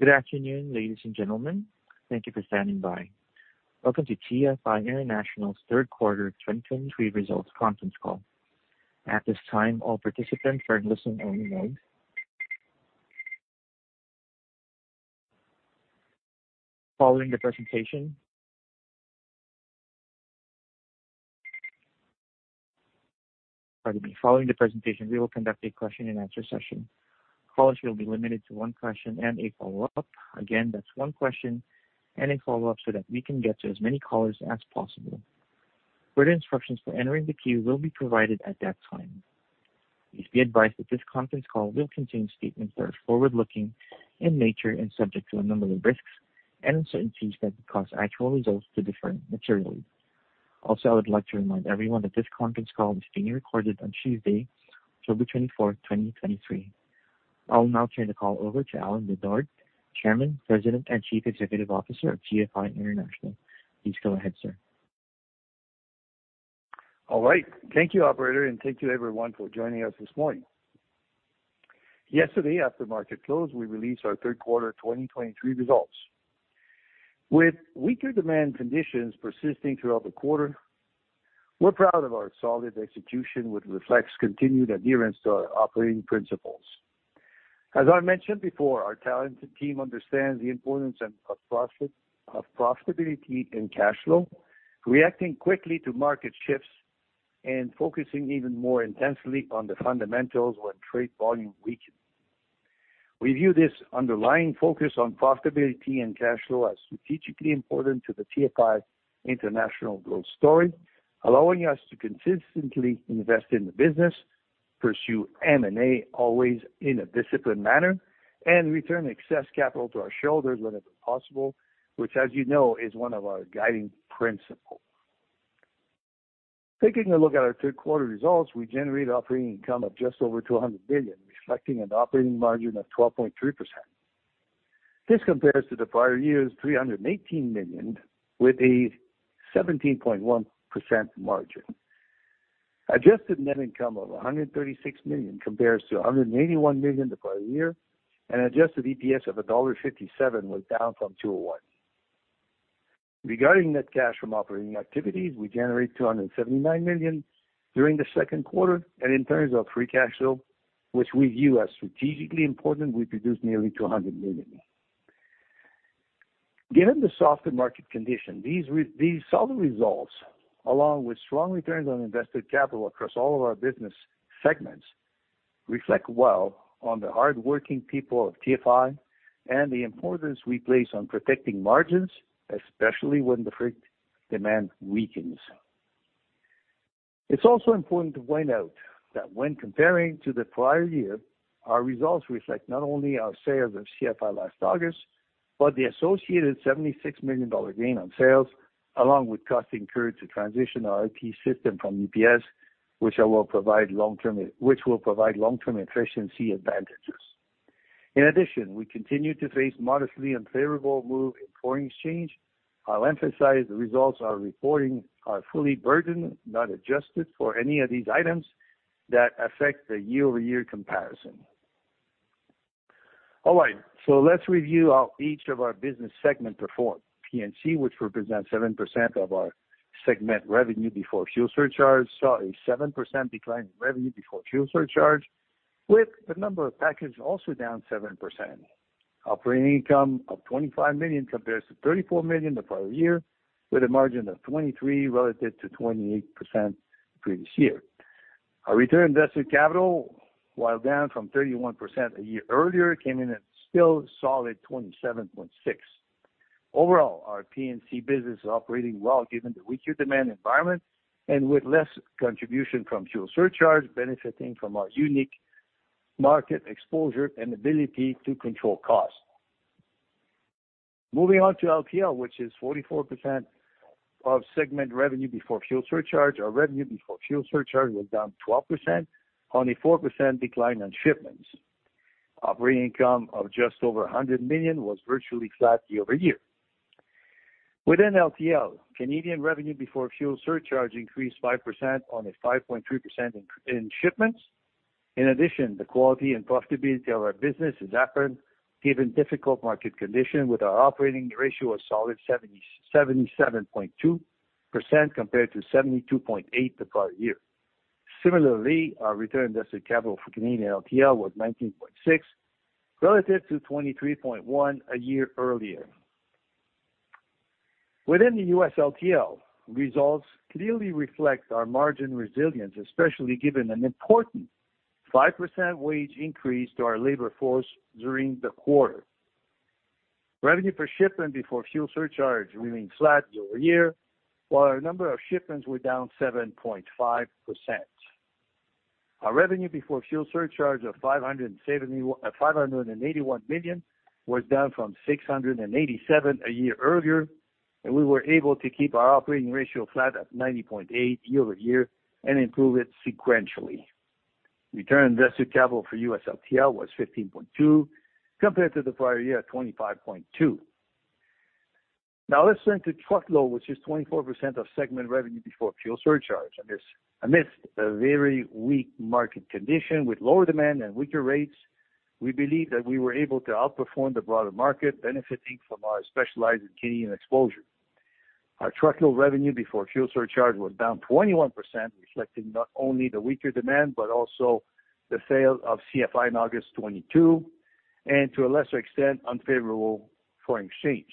Good afternoon, ladies and gentlemen. Thank you for standing by. Welcome to TFI International's Third Quarter 2023 Results Conference Call. At this time, all participants are in listen-only mode. Following the presentation... Pardon me. Following the presentation, we will conduct a question-and-answer session. Calls will be limited to one question and a follow-up. Again, that's one question and a follow-up so that we can get to as many callers as possible. Further instructions for entering the queue will be provided at that time. You'd be advised that this conference call will contain statements that are forward-looking in nature and subject to a number of risks and uncertainties that could cause actual results to differ materially. Also, I would like to remind everyone that this conference call is being recorded on Tuesday, October 24, 2023. I'll now turn the call over to Alain Bédard, Chairman, President, and Chief Executive Officer of TFI International. Please go ahead, sir. All right. Thank you, operator, and thank you everyone for joining us this morning. Yesterday, after market close, we released our third quarter 2023 results. With weaker demand conditions persisting throughout the quarter, we're proud of our solid execution, which reflects continued adherence to our operating principles. As I mentioned before, our talented team understands the importance of profitability and cash flow, reacting quickly to market shifts and focusing even more intensely on the fundamentals when trade volume weakens. We view this underlying focus on profitability and cash flow as strategically important to the TFI International growth story, allowing us to consistently invest in the business, pursue M&A always in a disciplined manner, and return excess capital to our shareholders whenever possible, which, as you know, is one of our guiding principles. Taking a look at our third quarter results, we generated operating income of just over $200 billion, reflecting an operating margin of 12.3%. This compares to the prior year's $318 million, with a 17.1% margin. Adjusted net income of $136 million compares to $181 million the prior year, and adjusted EPS of $1.57 was down from $2.01. Regarding net cash from operating activities, we generated $279 million during the second quarter, and in terms of free cash flow, which we view as strategically important, we produced nearly $200 million. Given the softer market condition, these solid results, along with strong returns on invested capital across all of our business segments, reflect well on the hardworking people of TFI and the importance we place on protecting margins, especially when the freight demand weakens. It's also important to point out that when comparing to the prior year, our results reflect not only our sales of CFI last August, but the associated $76 million gain on sales, along with costs incurred to transition our IT system from UPS, which will provide long-term efficiency advantages. In addition, we continue to face modestly unfavorable move in foreign exchange. I'll emphasize the results I'm reporting are fully burdened, not adjusted for any of these items that affect the year-over-year comparison. All right, so let's review how each of our business segments performed. P&C, which represents 7% of our segment revenue before fuel surcharge, saw a 7% decline in revenue before fuel surcharge, with the number of packages also down 7%. Operating income of $25 million compares to $34 million the prior year, with a margin of 23% relative to 28% the previous year. Our return on invested capital, while down from 31% a year earlier, came in at still solid 27.6%. Overall, our P&C business is operating well, given the weaker demand environment and with less contribution from fuel surcharge, benefiting from our unique market exposure and ability to control costs. Moving on to LTL, which is 44% of segment revenue before fuel surcharge. Our revenue before fuel surcharge was down 12% on a 4% decline in shipments. Operating income of just over $100 million was virtually flat year-over-year. Within LTL, Canadian revenue before fuel surcharge increased 5% on a 5.3% increase in shipments. In addition, the quality and profitability of our business is apparent, given difficult market conditions with our operating ratio of a solid 77.2% compared to 72.8% the prior year. Similarly, our return on invested capital for Canadian LTL was 19.6, relative to 23.1 a year earlier. Within the U.S. LTL, results clearly reflect our margin resilience, especially given an important 5% wage increase to our labor force during the quarter. Revenue per shipment before fuel surcharge remains flat year-over-year, while our number of shipments were down 7.5%. Our revenue before fuel surcharge of $581 million was down from $687 million a year earlier, and we were able to keep our operating ratio flat at 90.8% year-over-year and improve it sequentially. Return on invested capital for U.S. LTL was 15.2, compared to the prior year, 25.2. Now let's turn to Truckload, which is 24% of segment revenue before fuel surcharge. Amidst a very weak market condition with lower demand and weaker rates, we believe that we were able to outperform the broader market, benefiting from our specialized Canadian exposure. Our Truckload revenue before fuel surcharge was down 21%, reflecting not only the weaker demand, but also the sale of CFI in August 2022, and to a lesser extent, unfavorable foreign exchange.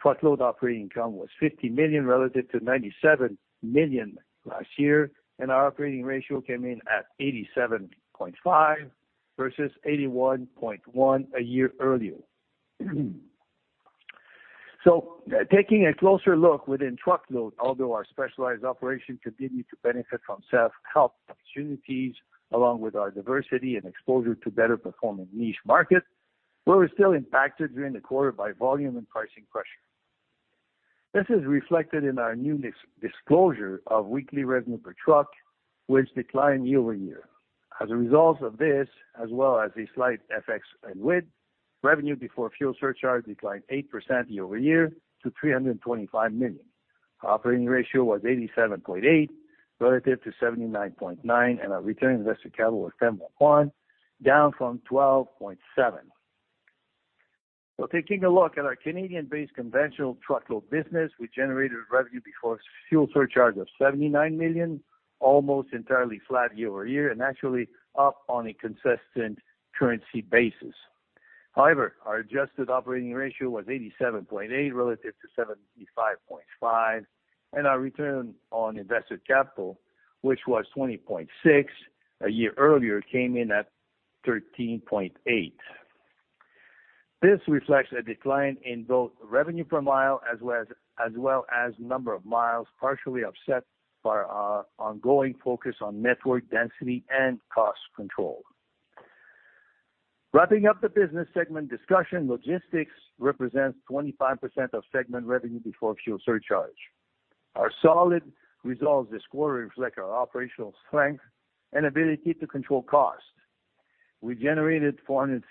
Truckload operating income was $50 million, relative to $97 million last year, and our operating ratio came in at 87.5% versus 81.1% a year earlier. So taking a closer look within Truckload, although our specialized operation continued to benefit from self-help opportunities, along with our diversity and exposure to better performing niche markets, we were still impacted during the quarter by volume and pricing pressure. This is reflected in our new disclosure of weekly revenue per truck, which declined year-over-year. As a result of this, as well as a slight FX and weather, revenue before fuel surcharge declined 8% year-over-year to $325 million. Our operating ratio was 87.8%, relative to 79.9%, and our return on invested capital was 10.1%, down from 12.7%. So taking a look at our Canadian-based conventional Truckload business, we generated revenue before fuel surcharge of $79 million, almost entirely flat year-over-year, and actually up on a consistent currency basis. However, our adjusted operating ratio was 87.8 relative to 75.5, and our return on invested capital, which was 20.6 a year earlier, came in at 13.8. This reflects a decline in both revenue per mile, as well as number of miles, partially offset by our ongoing focus on network density and cost control. Wrapping up the business segment discussion, Logistics represents 25% of segment revenue before fuel surcharge. Our solid results this quarter reflect our operational strength and ability to control cost. We generated $416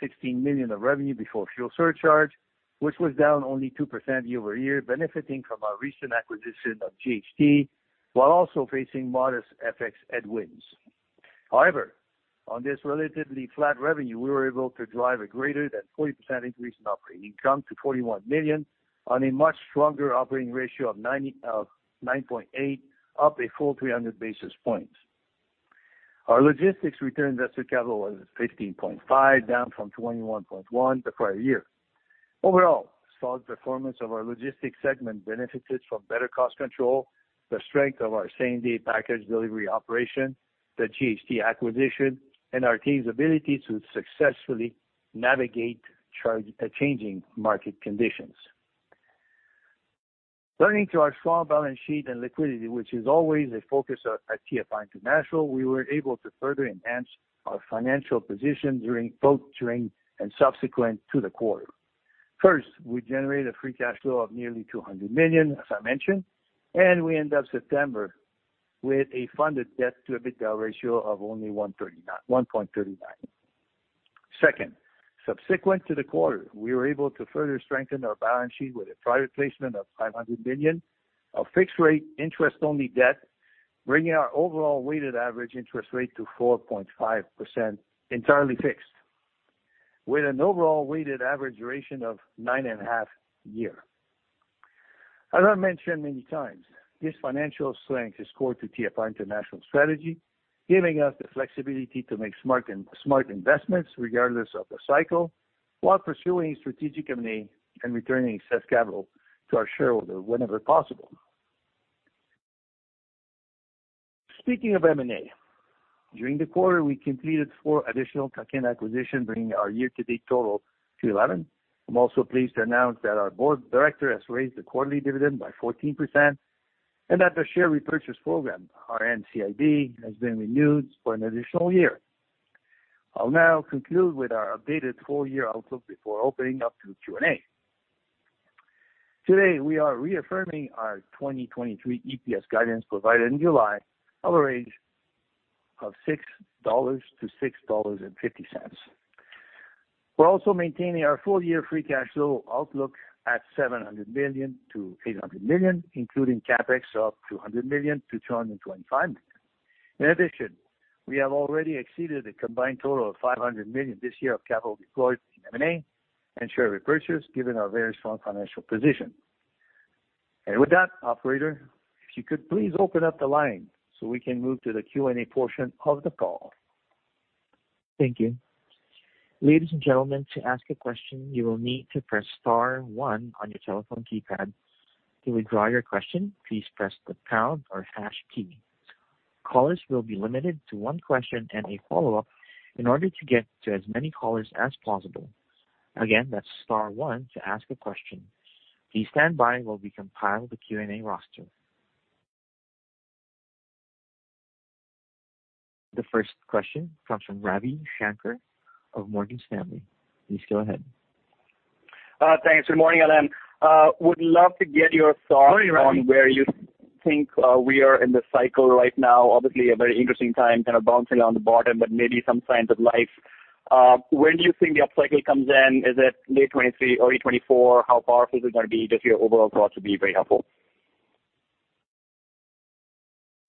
million of revenue before fuel surcharge, which was down only 2% year-over-year, benefiting from our recent acquisition of JHT, while also facing modest FX headwinds. However, on this relatively flat revenue, we were able to drive a greater than 40% increase in operating income to $41 million on a much stronger operating ratio of 90.9, up a full 300 basis points. Our Logistics return on invested capital was 15.5, down from 21.1 the prior year. Overall, solid performance of our Logistics segment benefited from better cost control, the strength of our same-day package delivery operation, the JHT acquisition, and our team's ability to successfully navigate changing market conditions. Turning to our strong balance sheet and liquidity, which is always a focus at TFI International, we were able to further enhance our financial position both during and subsequent to the quarter. First, we generated a free cash flow of nearly $200 million, as I mentioned, and we ended September with a funded debt to EBITDA ratio of only 1.39. Second, subsequent to the quarter, we were able to further strengthen our balance sheet with a private placement of $500 million of fixed-rate, interest-only debt, bringing our overall weighted average interest rate to 4.5%, entirely fixed, with an overall weighted average duration of 9.5 years. As I mentioned many times, this financial strength is core to TFI International strategy, giving us the flexibility to make smart smart investments regardless of the cycle, while pursuing strategic M&A and returning excess capital to our shareholder whenever possible. Speaking of M&A, during the quarter, we completed four additional Canadian acquisition, bringing our year-to-date total to 11. I'm also pleased to announce that our board director has raised the quarterly dividend by 14%, and that the share repurchase program, our NCIB, has been renewed for an additional year. I'll now conclude with our updated full-year outlook before opening up to Q&A. Today, we are reaffirming our 2023 EPS guidance provided in July, of a range of $6-$6.50. We're also maintaining our full-year free cash flow outlook at $700 million-$800 million, including CapEx of $200 million-$225 million. In addition, we have already exceeded a combined total of $500 million this year of capital deployed in M&A and share repurchases, given our very strong financial position. And with that, operator, if you could please open up the line, so we can move to the Q&A portion of the call. Thank you. Ladies and gentlemen, to ask a question, you will need to press star one on your telephone keypad. To withdraw your question, please press the pound or hash key. Callers will be limited to one question and a follow-up in order to get to as many callers as possible. Again, that's star one to ask a question. Please stand by while we compile the Q&A roster. The first question comes from Ravi Shanker of Morgan Stanley. Please go ahead. Thanks. Good morning, Alain. Would love to get your thoughts. Good morning, Ravi. On where you think, we are in the cycle right now. Obviously, a very interesting time, kind of bouncing on the bottom, but maybe some signs of life. When do you think the upcycle comes in? Is it late 2023, early 2024? How powerful is it gonna be? Just your overall thoughts would be very helpful.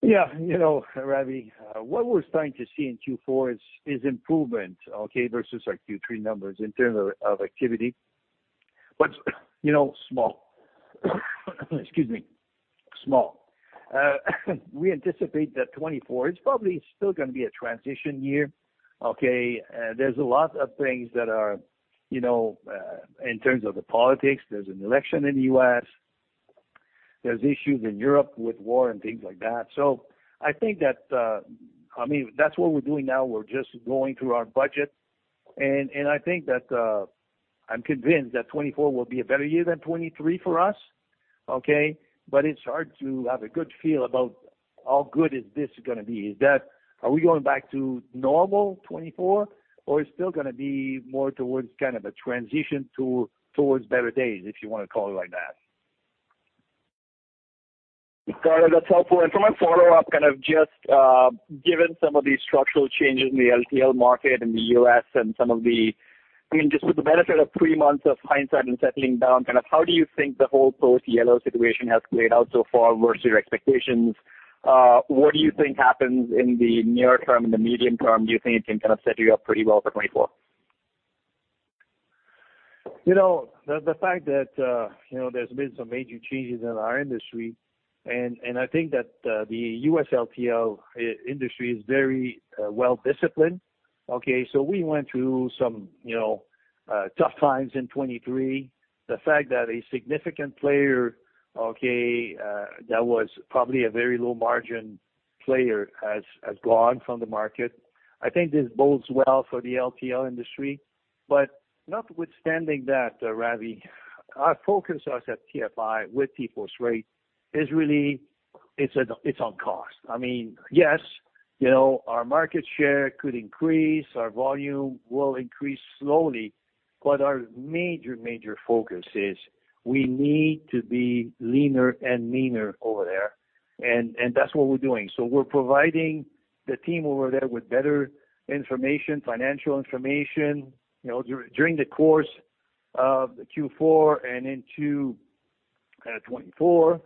Yeah, you know, Ravi, what we're starting to see in Q4 is improvement, okay, versus our Q3 numbers in terms of activity. But, you know, small. Excuse me. Small. We anticipate that 2024 is probably still gonna be a transition year, okay? There's a lot of things that are, you know, in terms of the politics, there's an election in the U.S. There's issues in Europe with war and things like that. So I think that, I mean, that's what we're doing now, we're just going through our budget. And I think that, I'm convinced that 2024 will be a better year than 2023 for us, okay? But it's hard to have a good feel about how good is this gonna be. Is that, are we going back to normal, 2024? Or it's still gonna be more towards kind of a transition towards better days, if you wanna call it like that. Got it. That's helpful. And for my follow-up, kind of just, given some of these structural changes in the LTL market in the U.S. and some of the... I mean, just with the benefit of three months of hindsight and settling down, kind of, how do you think the whole post-Yellow situation has played out so far versus your expectations? What do you think happens in the near term, in the medium term? Do you think it can kind of set you up pretty well for 2024? You know, the fact that, you know, there's been some major changes in our industry, and, and I think that, the U.S. LTL industry is very, well-disciplined, okay? So we went through some, you know, tough times in 2023. The fact that a significant player, okay, that was probably a very low-margin player, has gone from the market. I think this bodes well for the LTL industry. But notwithstanding that, Ravi, our focus is at TFI with TForce Freight is really, it's on cost. I mean, yes, you know, our market share could increase, our volume will increase slowly, but our major, major focus is we need to be leaner and leaner over there, and, that's what we're doing. So we're providing the team over there with better information, financial information. You know, during the course of Q4 and into 2024,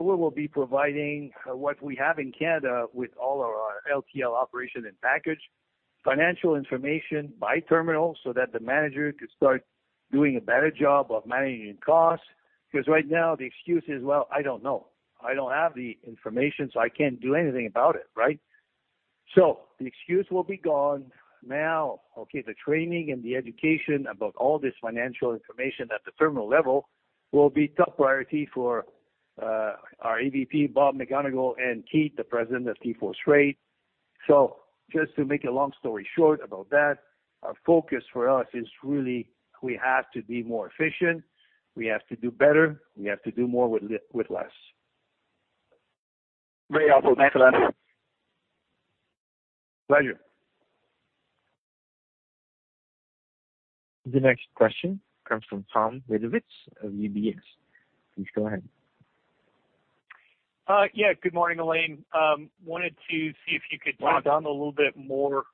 we will be providing what we have in Canada with all our LTL operations and package financial information by terminal, so that the manager could start doing a better job of managing costs. Because right now the excuse is: "Well, I don't know. I don't have the information, so I can't do anything about it," right? So the excuse will be gone. Now, okay, the training and the education about all this financial information at the terminal level will be top priority for our EVP, Bob McGonigal, and Keith, the President of TForce Freight. So just to make a long story short about that, our focus for us is really we have to be more efficient, we have to do better, we have to do more with less. Very helpful. Thanks a lot. Pleasure. The next question comes from Tom Wadewitz of UBS. Please go ahead. Yeah, good morning, Alain. Wanted to see if you could talk- Hi. -down a little bit more.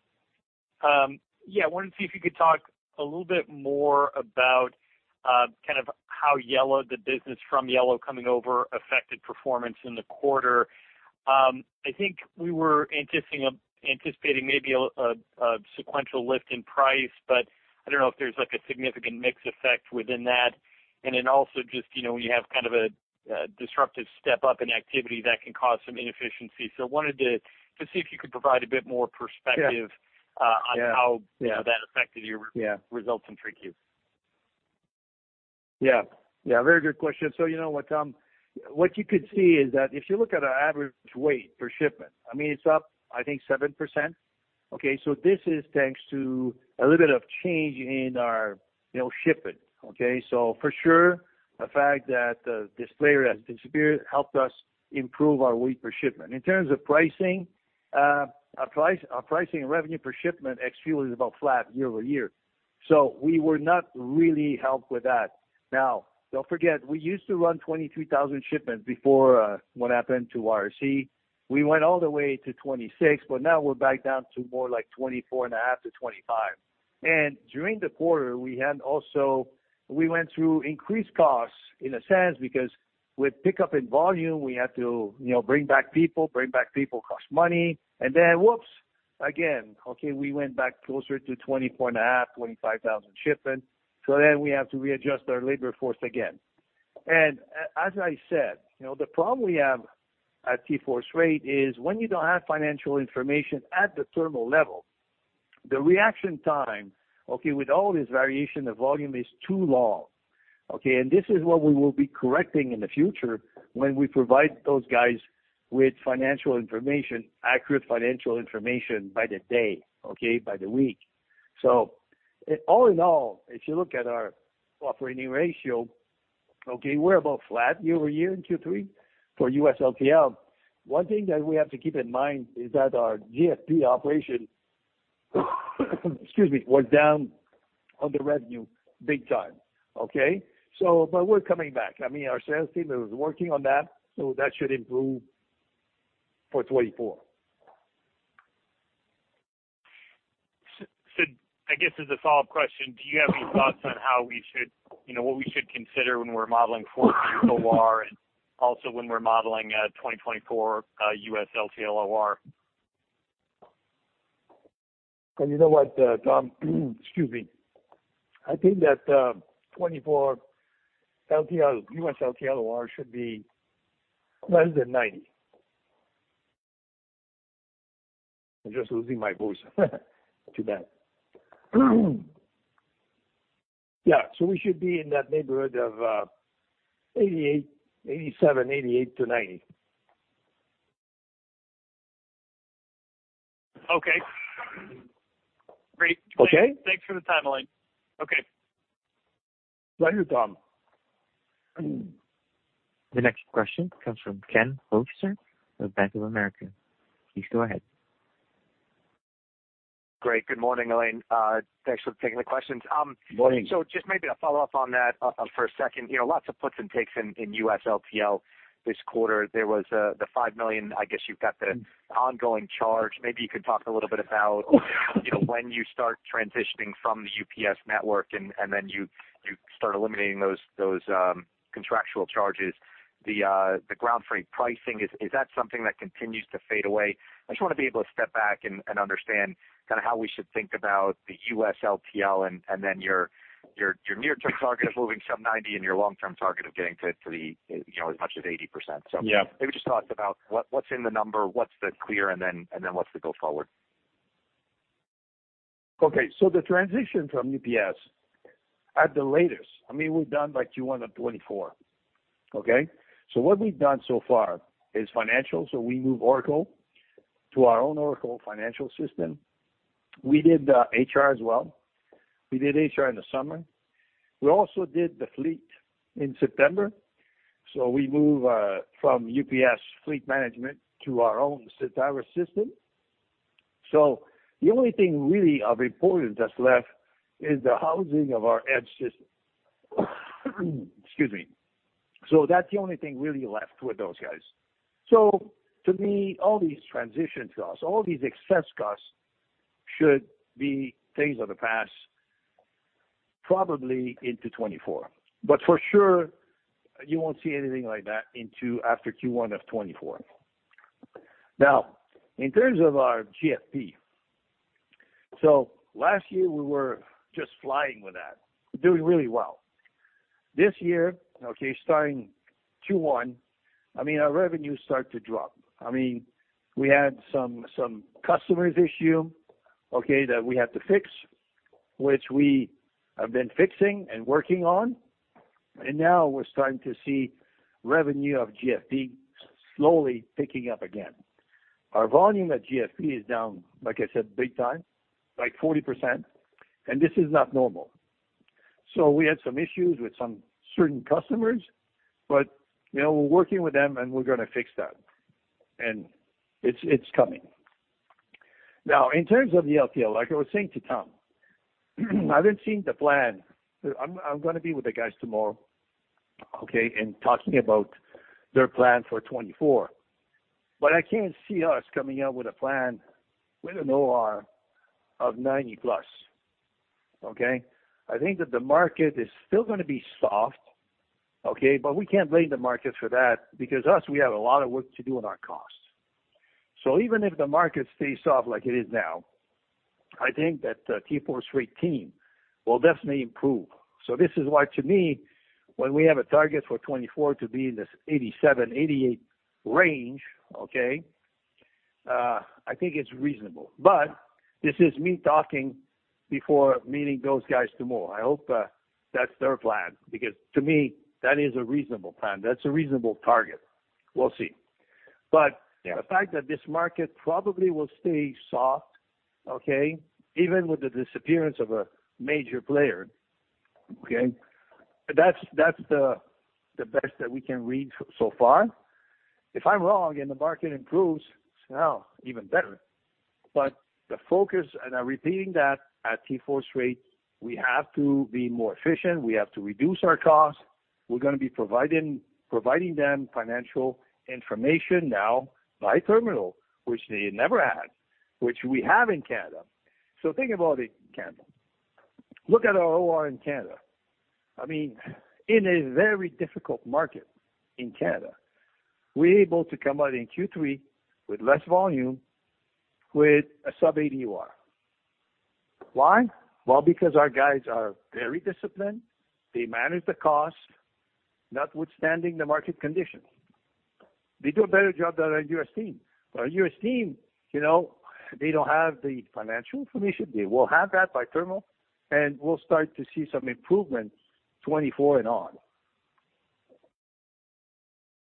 Yeah, I wanted to see if you could talk a little bit more about, kind of how Yellow, the business from Yellow coming over, affected performance in the quarter. I think we were anticipating maybe a sequential lift in price, but I don't know if there's, like, a significant mix effect within that. And then also just, you know, when you have kind of a disruptive step up in activity, that can cause some inefficiency. So wanted to see if you could provide a bit more perspective- Yeah. on how Yeah. that affected your Yeah results in 3Q. Yeah. Yeah, very good question. So you know what, Tom, what you could see is that if you look at our average weight per shipment, I mean, it's up, I think, 7%, okay? So this is thanks to a little bit of change in our, you know, shipping, okay? So for sure, the fact that, this player has disappeared helped us improve our weight per shipment. In terms of pricing, our price, our pricing revenue per shipment, ex-fuel, is about flat year-over-year. So we were not really helped with that. Now, don't forget, we used to run 23,000 shipments before, what happened to YRC. We went all the way to 26,000, but now we're back down to more like 24.5-25. And during the quarter, we had also... We went through increased costs, in a sense, because with pickup in volume, we had to, you know, bring back people. Bring back people costs money, and then whoops, again, okay, we went back closer to 24.5-25,000 shipments. So then we have to readjust our labor force again. As I said, you know, the problem we have at TForce Freight is, when you don't have financial information at the terminal level, the reaction time, okay, with all this variation of volume is too long, okay? And this is what we will be correcting in the future when we provide those guys with financial information, accurate financial information by the day, okay, by the week. So all in all, if you look at our operating ratio, okay, we're about flat year-over-year in Q3 for US LTL. One thing that we have to keep in mind is that our GFP operation, excuse me, was down on the revenue big time, okay? So, but we're coming back. I mean, our sales team is working on that, so that should improve… for 2024. So I guess as a follow-up question, do you have any thoughts on how we should, you know, what we should consider when we're modeling for OR, and also when we're modeling 2024 U.S. LTL OR? You know what, Tom, excuse me, I think that 2024 LTL, US LTL OR should be less than 90. I'm just losing my voice, too bad. Yeah, so we should be in that neighborhood of 88, 87, 88-90. Okay, great. Okay. Thanks for the timeline. Okay. Pleasure, Tom. The next question comes from Ken Hoexter of Bank of America. Please go ahead. Great. Good morning, Alain. Thanks for taking the questions. Morning. So just maybe a follow-up on that, for a second. You know, lots of puts and takes in US LTL this quarter. There was the $5 million, I guess you've got the ongoing charge. Maybe you could talk a little bit about, you know, when you start transitioning from the UPS network, and then you start eliminating those contractual charges. The ground freight pricing, is that something that continues to fade away? I just wanna be able to step back and understand kind of how we should think about the US LTL, and then your near-term target of moving some 90 and your long-term target of getting to, to the, you know, as much as 80%. Yeah. Maybe just talk about what's in the number, what's the clear, and then what's the go forward? Okay, so the transition from UPS, at the latest, I mean, we're done by Q1 of 2024. Okay? So what we've done so far is financial. So we move Oracle to our own Oracle financial system. We did HR as well. We did HR in the summer. We also did the fleet in September, so we move from UPS fleet management to our own Cetaris system. So the only thing really of importance that's left is the housing of our Edge system. Excuse me. So that's the only thing really left with those guys. So to me, all these transition costs, all these excess costs, should be things of the past, probably into 2024. But for sure, you won't see anything like that into, after Q1 of 2024. Now, in terms of our GFP. So last year we were just flying with that, doing really well. This year, okay, starting Q1, I mean, our revenues start to drop. I mean, we had some customers issue, okay, that we had to fix, which we have been fixing and working on, and now we're starting to see revenue of GFP slowly picking up again. Our volume at GFP is down, like I said, big time, like 40%, and this is not normal. So we had some issues with some certain customers, but you know, we're working with them, and we're gonna fix that. It's coming. Now, in terms of the LTL, like I was saying to Tom, I haven't seen the plan. I'm gonna be with the guys tomorrow, okay, and talking about their plan for 2024. But I can't see us coming out with a plan with an OR of 90+. Okay? I think that the market is still gonna be soft, okay, but we can't blame the market for that, because us, we have a lot of work to do on our costs. So even if the market stays soft like it is now, I think that, TForce Freight team, will definitely improve. So this is why, to me, when we have a target for 2024 to be in this 87-88 range, okay, I think it's reasonable. But this is me talking before meeting those guys tomorrow. I hope, that's their plan, because to me, that is a reasonable plan. That's a reasonable target. We'll see. But- Yeah. The fact that this market probably will stay soft, okay, even with the disappearance of a major player, okay, that's the best that we can read so far. If I'm wrong and the market improves, well, even better. But the focus, and I'm repeating that at TForce Freight, we have to be more efficient. We have to reduce our costs. We're gonna be providing them financial information now by terminal, which they never had, which we have in Canada. So think about it, Ken. Look at our OR in Canada. I mean, in a very difficult market in Canada, we're able to come out in Q3 with less volume, with a sub-80 OR. Why? Well, because our guys are very disciplined. They manage the cost, notwithstanding the market conditions. They do a better job than our U.S. team. Our U.S. team, you know, they don't have the financial information. They will have that by terminal, and we'll start to see some improvement, 2024 and on.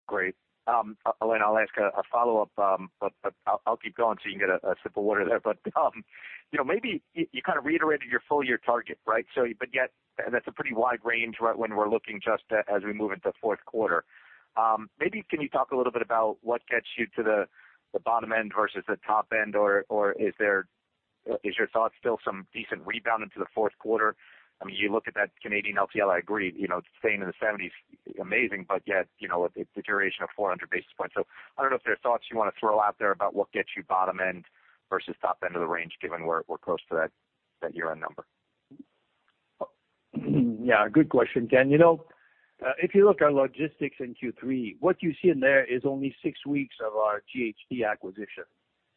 Great. Alain, I'll ask a follow-up, but I'll keep going so you can get a sip of water there. But you know, maybe you kind of reiterated your full-year target, right? But yet that's a pretty wide range, right, when we're looking just as we move into the fourth quarter. Maybe can you talk a little bit about what gets you to the bottom end versus the top end? Or is there— Is your thoughts still some decent rebound into the fourth quarter? I mean, you look at that Canadian LTL. I agree, you know, staying in the seventies is amazing, but yet, you know, it's a deterioration of 400 basis points. I don't know if there are thoughts you want to throw out there about what gets you bottom end versus top end of the range, given we're close to that year-end number. Yeah, good question, Ken. You know, if you look at Logistics in Q3, what you see in there is only 6 weeks of our JHT acquisition.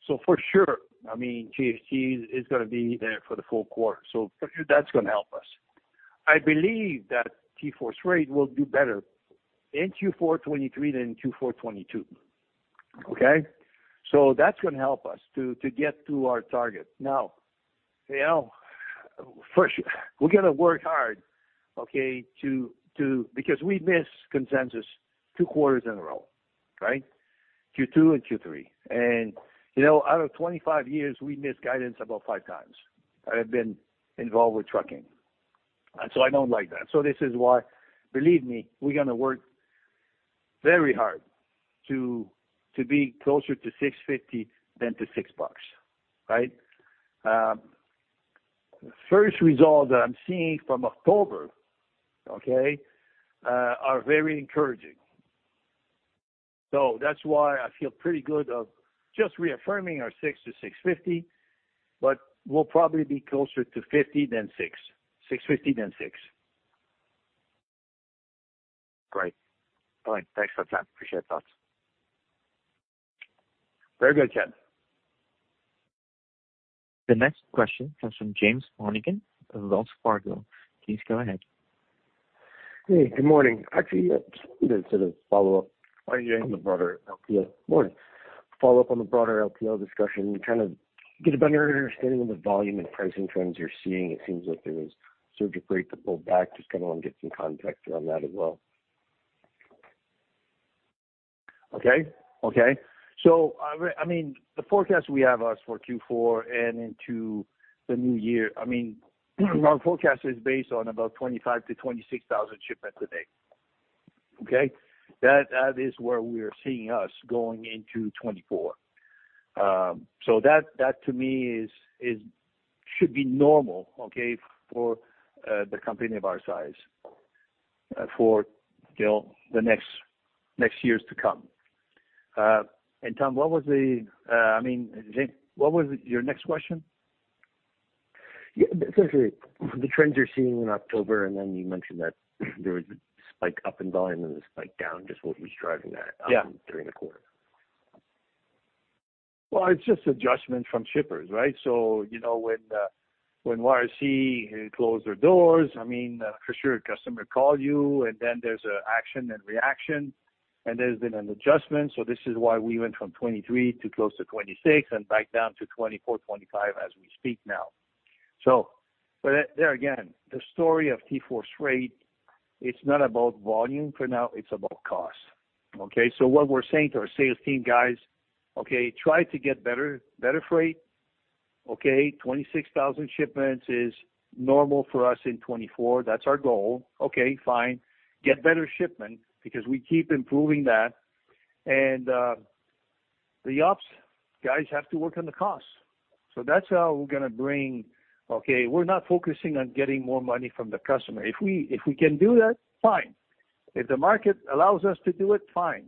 So for sure, I mean, JHT is gonna be there for the full quarter, so for sure that's gonna help us. I believe that TForce Freight will do better in Q4 2023 than in Q4 2022. Okay? So that's gonna help us to get to our target. Now, you know, first, we're gonna work hard, okay, to because we missed consensus two quarters in a row, right? Q2 and Q3. And, you know, out of 25 years, we missed guidance about 5x, and I've been involved with trucking, and so I don't like that. So this is why, believe me, we're gonna work very hard to be closer to $6.50 than to $6, right? The first result that I'm seeing from October, okay, are very encouraging. That's why I feel pretty good of just reaffirming our $6-$6.50, but we'll probably be closer to $6.50 than $6. Great. All right. Thanks for the time. Appreciate your thoughts. Very good, Ken. The next question comes from James Monigan of Wells Fargo. Please go ahead. Hey, good morning. Actually, just sort of follow-up on the broader LTL discussion, kind of get a better understanding of the volume and pricing trends you're seeing. It seems like there was sort of break to pull back. Just kind of want to get some context around that as well. Okay. Okay. So, I mean, the forecast we have us for Q4 and into the new year, I mean, our forecast is based on about 25-26,000 shipments a day, okay? That is where we are seeing us going into 2024. So that to me is should be normal, okay, for the company of our size, for you know, the next years to come. And Tom, what was the I mean, James, what was your next question? Yeah, essentially, the trends you're seeing in October, and then you mentioned that there was a spike up in volume and a spike down, just what was driving that? Yeah. during the quarter? Well, it's just adjustment from shippers, right? So you know, when YRC closed their doors, I mean, for sure, customer call you, and then there's a action and reaction, and there's been an adjustment. This is why we went from 23 to close to 26 and back down to 24, 25, as we speak now. There again, the story of TForce Freight, it's not about volume, for now, it's about cost. Okay, so what we're saying to our sales team, guys, okay, try to get better, better freight. Okay, 26,000 shipments is normal for us in 24. That's our goal. Okay, fine. Get better shipment, because we keep improving that. The ops guys have to work on the costs. That's how we're gonna bring... Okay, we're not focusing on getting more money from the customer. If we, if we can do that, fine. If the market allows us to do it, fine.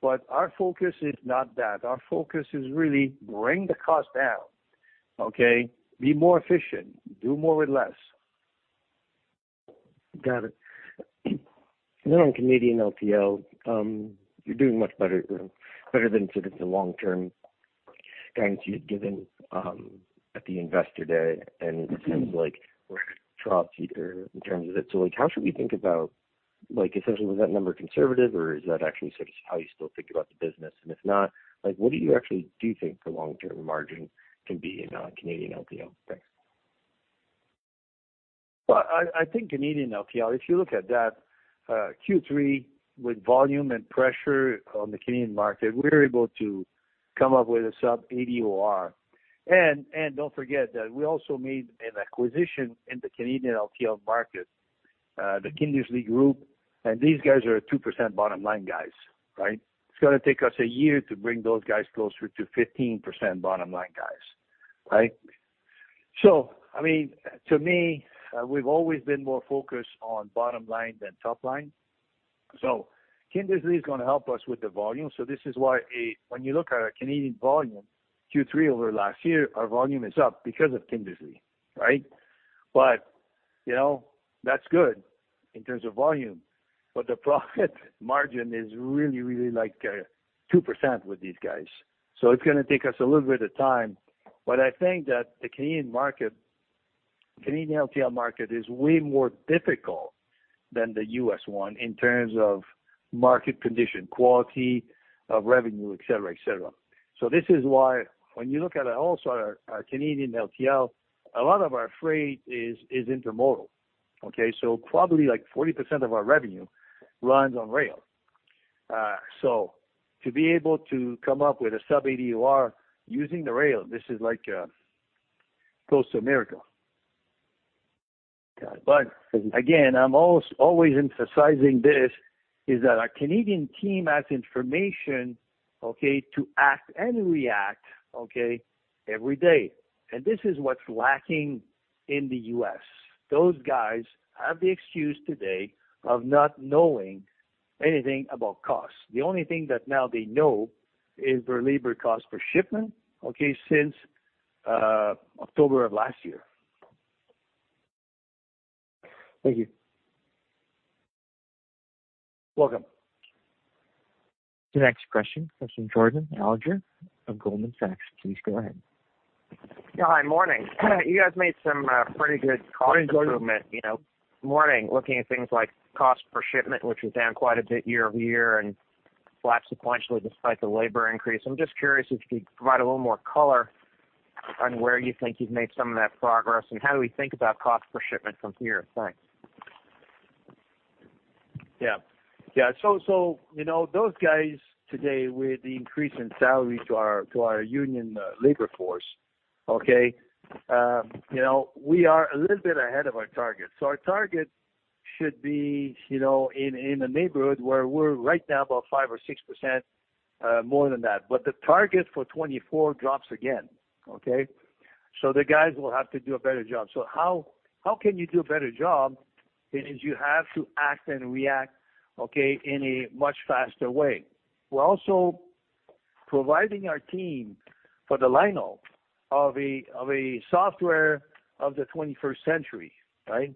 But our focus is not that. Our focus is really bring the cost down, okay? Be more efficient, do more with less. Got it. Then on Canadian LTL, you're doing much better, better than sort of the long-term guidance you'd given, at the Investor Day, and it seems like we're cheaper in terms of it. So, like, how should we think about, like, essentially, was that number conservative, or is that actually sort of how you still think about the business? And if not, like, what do you actually do think the long-term margin can be in, Canadian LTL? Thanks. Well, I think Canadian LTL, if you look at that, Q3, with volume and pressure on the Canadian market, we're able to come up with a sub-80 OR. And, don't forget that we also made an acquisition in the Canadian LTL market, the Kindersley group, and these guys are a 2% bottom line, guys, right? It's gonna take us a year to bring those guys closer to 15% bottom line guys, right? So I mean, to me, we've always been more focused on bottom line than top line. So Kindersley is gonna help us with the volume. So this is why, when you look at our Canadian volume, Q3 over last year, our volume is up because of Kindersley, right? But, you know, that's good in terms of volume, but the profit margin is really, really like, 2% with these guys. So it's gonna take us a little bit of time. But I think that the Canadian market, Canadian LTL market, is way more difficult than the U.S. one in terms of market condition, quality of revenue, et cetera, et cetera. So this is why when you look at also our Canadian LTL, a lot of our freight is intermodal, okay? So probably like 40% of our revenue runs on rail. So to be able to come up with a sub-80 OR using the rail, this is like, close to America. But again, I'm always emphasizing this, is that our Canadian team has information, okay, to act and react, okay, every day. And this is what's lacking in the U.S. Those guys have the excuse today of not knowing anything about costs. The only thing that now they know is their labor cost per shipment, okay, since October of last year. Thank you. Welcome. The next question comes from Jordan Alliger of Goldman Sachs. Please go ahead. Yeah. Hi, morning. You guys made some pretty good cost improvement, you know- Morning. Morning. Looking at things like cost per shipment, which was down quite a bit year-over-year and flat sequentially despite the labor increase. I'm just curious if you could provide a little more color on where you think you've made some of that progress, and how do we think about cost per shipment from here? Thanks. Yeah. Yeah, so, so, you know, those guys today, with the increase in salary to our, to our union labor force, okay, you know, we are a little bit ahead of our target. So our target should be, you know, in, in a neighborhood where we're right now, about 5%-6%, more than that. But the target for 2024 drops again, okay? So the guys will have to do a better job. So how, how can you do a better job, is you have to act and react, okay, in a much faster way. We're also providing our team for the linehaul of a, of a software of the 21st century, right?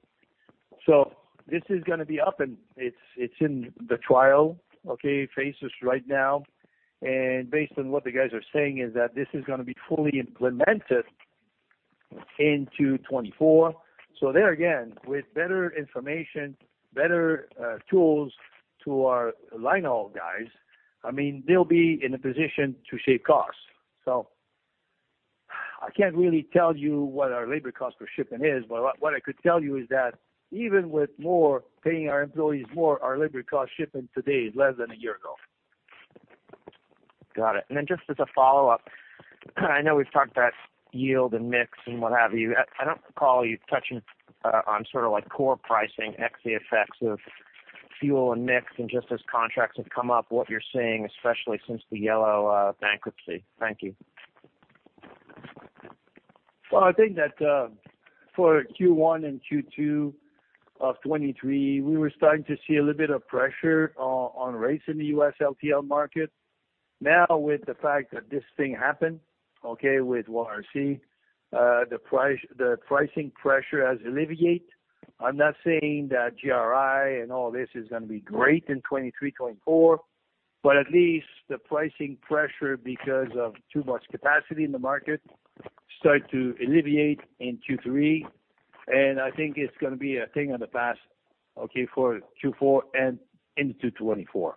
So this is gonna be up, and it's, it's in the trial, okay, phases right now. Based on what the guys are saying, is that this is gonna be fully implemented into 2024. So there again, with better information, better, tools to our linehaul guys, I mean, they'll be in a position to save costs. So I can't really tell you what our labor cost per shipment is, but what I could tell you is that, even with more, paying our employees more, our labor cost shipping today is less than a year ago. Got it. And then just as a follow-up, I know we've talked about yield and mix and what have you. I, I don't recall you touching on sort of like core pricing, ex the effects of fuel and mix and just as contracts have come up, what you're seeing, especially since the Yellow bankruptcy. Thank you. Well, I think that for Q1 and Q2 of 2023, we were starting to see a little bit of pressure on rates in the U.S. LTL market. Now, with the fact that this thing happened, okay, with YRC, the pricing pressure has alleviate. I'm not saying that GRI and all this is gonna be great in 2023, 2024, but at least the pricing pressure because of too much capacity in the market, start to alleviate in Q3, and I think it's gonna be a thing of the past, okay, for Q4 and into 2024.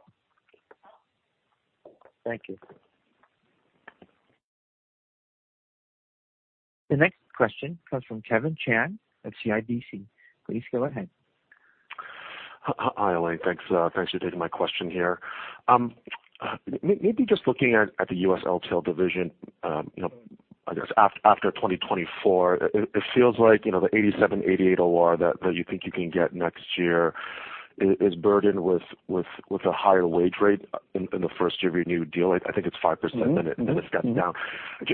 Thank you. The next question comes from Kevin Chiang of CIBC. Please go ahead. Hi, Alain. Thanks for taking my question here. Maybe just looking at the U.S. LTL division, you know, I guess after 2024, it feels like, you know, the 87-88 OR that you think you can get next year is burdened with a higher wage rate in the first year of your new deal. I think it's 5%, then it steps down. Yeah.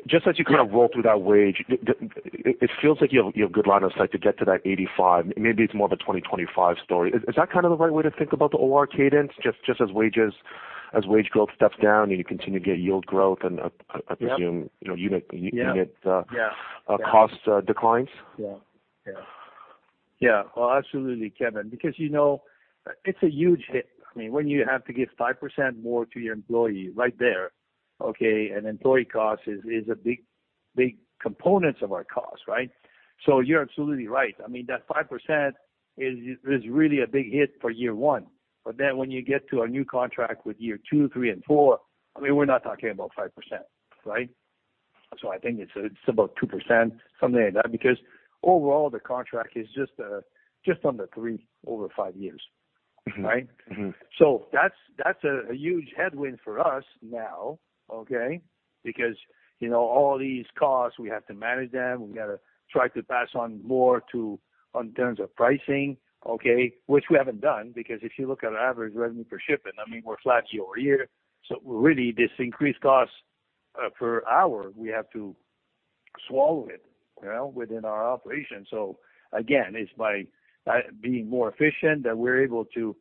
Just as you kind of roll through that wage, it feels like you have good line of sight to get to that 85. Maybe it's more of a 2025 story. Is that kind of the right way to think about the OR cadence, just as wages, as wage growth steps down and you continue to get yield growth, and I presume- Yeah. You know, you get Yeah... cost, declines? Yeah. Yeah. Yeah. Well, absolutely, Kevin, because, you know, it's a huge hit. I mean, when you have to give 5% more to your employee right there, okay, and employee cost is, is a big, big components of our cost, right? So you're absolutely right. I mean, that 5% is, is really a big hit for year one. But then when you get to a new contract with year two, three, and four, I mean, we're not talking about 5%, right? So I think it's, it's about 2%, something like that, because overall, the contract is just, just under 3% over five years, right? Mm-hmm. So that's a huge headwind for us now, okay? Because, you know, all these costs, we have to manage them. We gotta try to pass on more to... in terms of pricing, okay? Which we haven't done, because if you look at our average revenue per shipment, I mean, we're flat year-over-year. So really, this increased cost per hour, we have to swallow it, you know, within our operation. So again, it's by being more efficient, that we're able to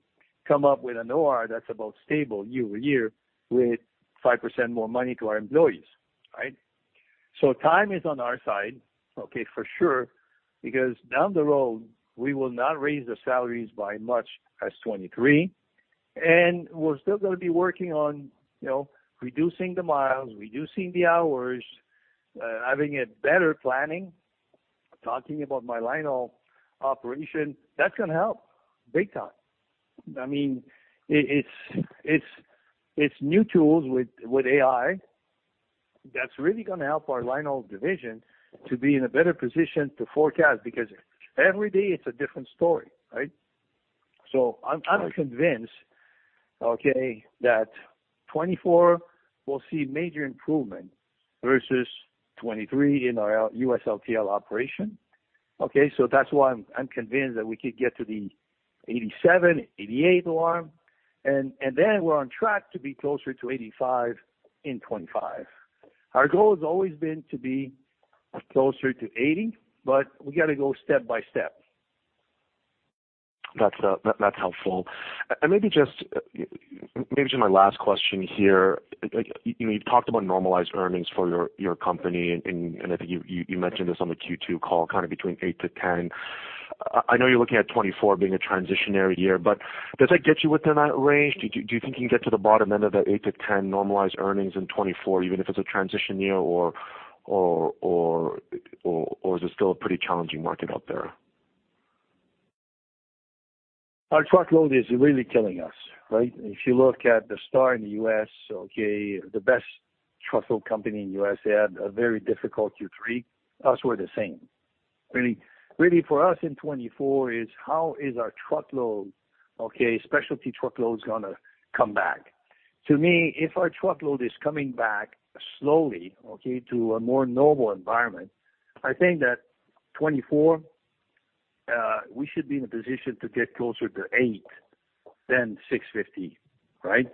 come up with an OR that's about stable year-over-year, with 5% more money to our employees, right? So time is on our side, okay, for sure, because down the road, we will not raise the salaries by much as 23, and we're still gonna be working on, you know, reducing the miles, reducing the hours, having a better planning. Talking about my linehaul operation, that's gonna help, big time. I mean, it's new tools with AI that's really gonna help our linehaul division to be in a better position to forecast, because every day it's a different story, right? So I'm convinced, okay, that 2024 will see major improvement versus 2023 in our U.S. LTL operation, okay? So that's why I'm convinced that we could get to the 87%-88% OR, and then we're on track to be closer to 85% in 2025. Our goal has always been to be closer to 80%, but we got to go step by step. That's, that's helpful. And maybe just, maybe my last question here, like, you know, you talked about normalized earnings for your, your company, and, and I think you, you mentioned this on the Q2 call, kind of between 8-10. I, I know you're looking at 2024 being a transitionary year, but does that get you within that range? Do you, do you think you can get to the bottom end of that 8-10 normalized earnings in 2024, even if it's a transition year, or, or, or, or, or is it still a pretty challenging market out there? Our Truckload is really killing us, right? If you look at the star in the U.S., okay, the best Truckload company in the U.S., they had a very difficult Q3. Us, we're the same. Really, really for us in 2024 is how is our Truckload, okay, specialty Truckload is gonna come back. To me, if our Truckload is coming back slowly, okay, to a more normal environment, I think that 2024, we should be in a position to get closer to $8 than $6.50, right?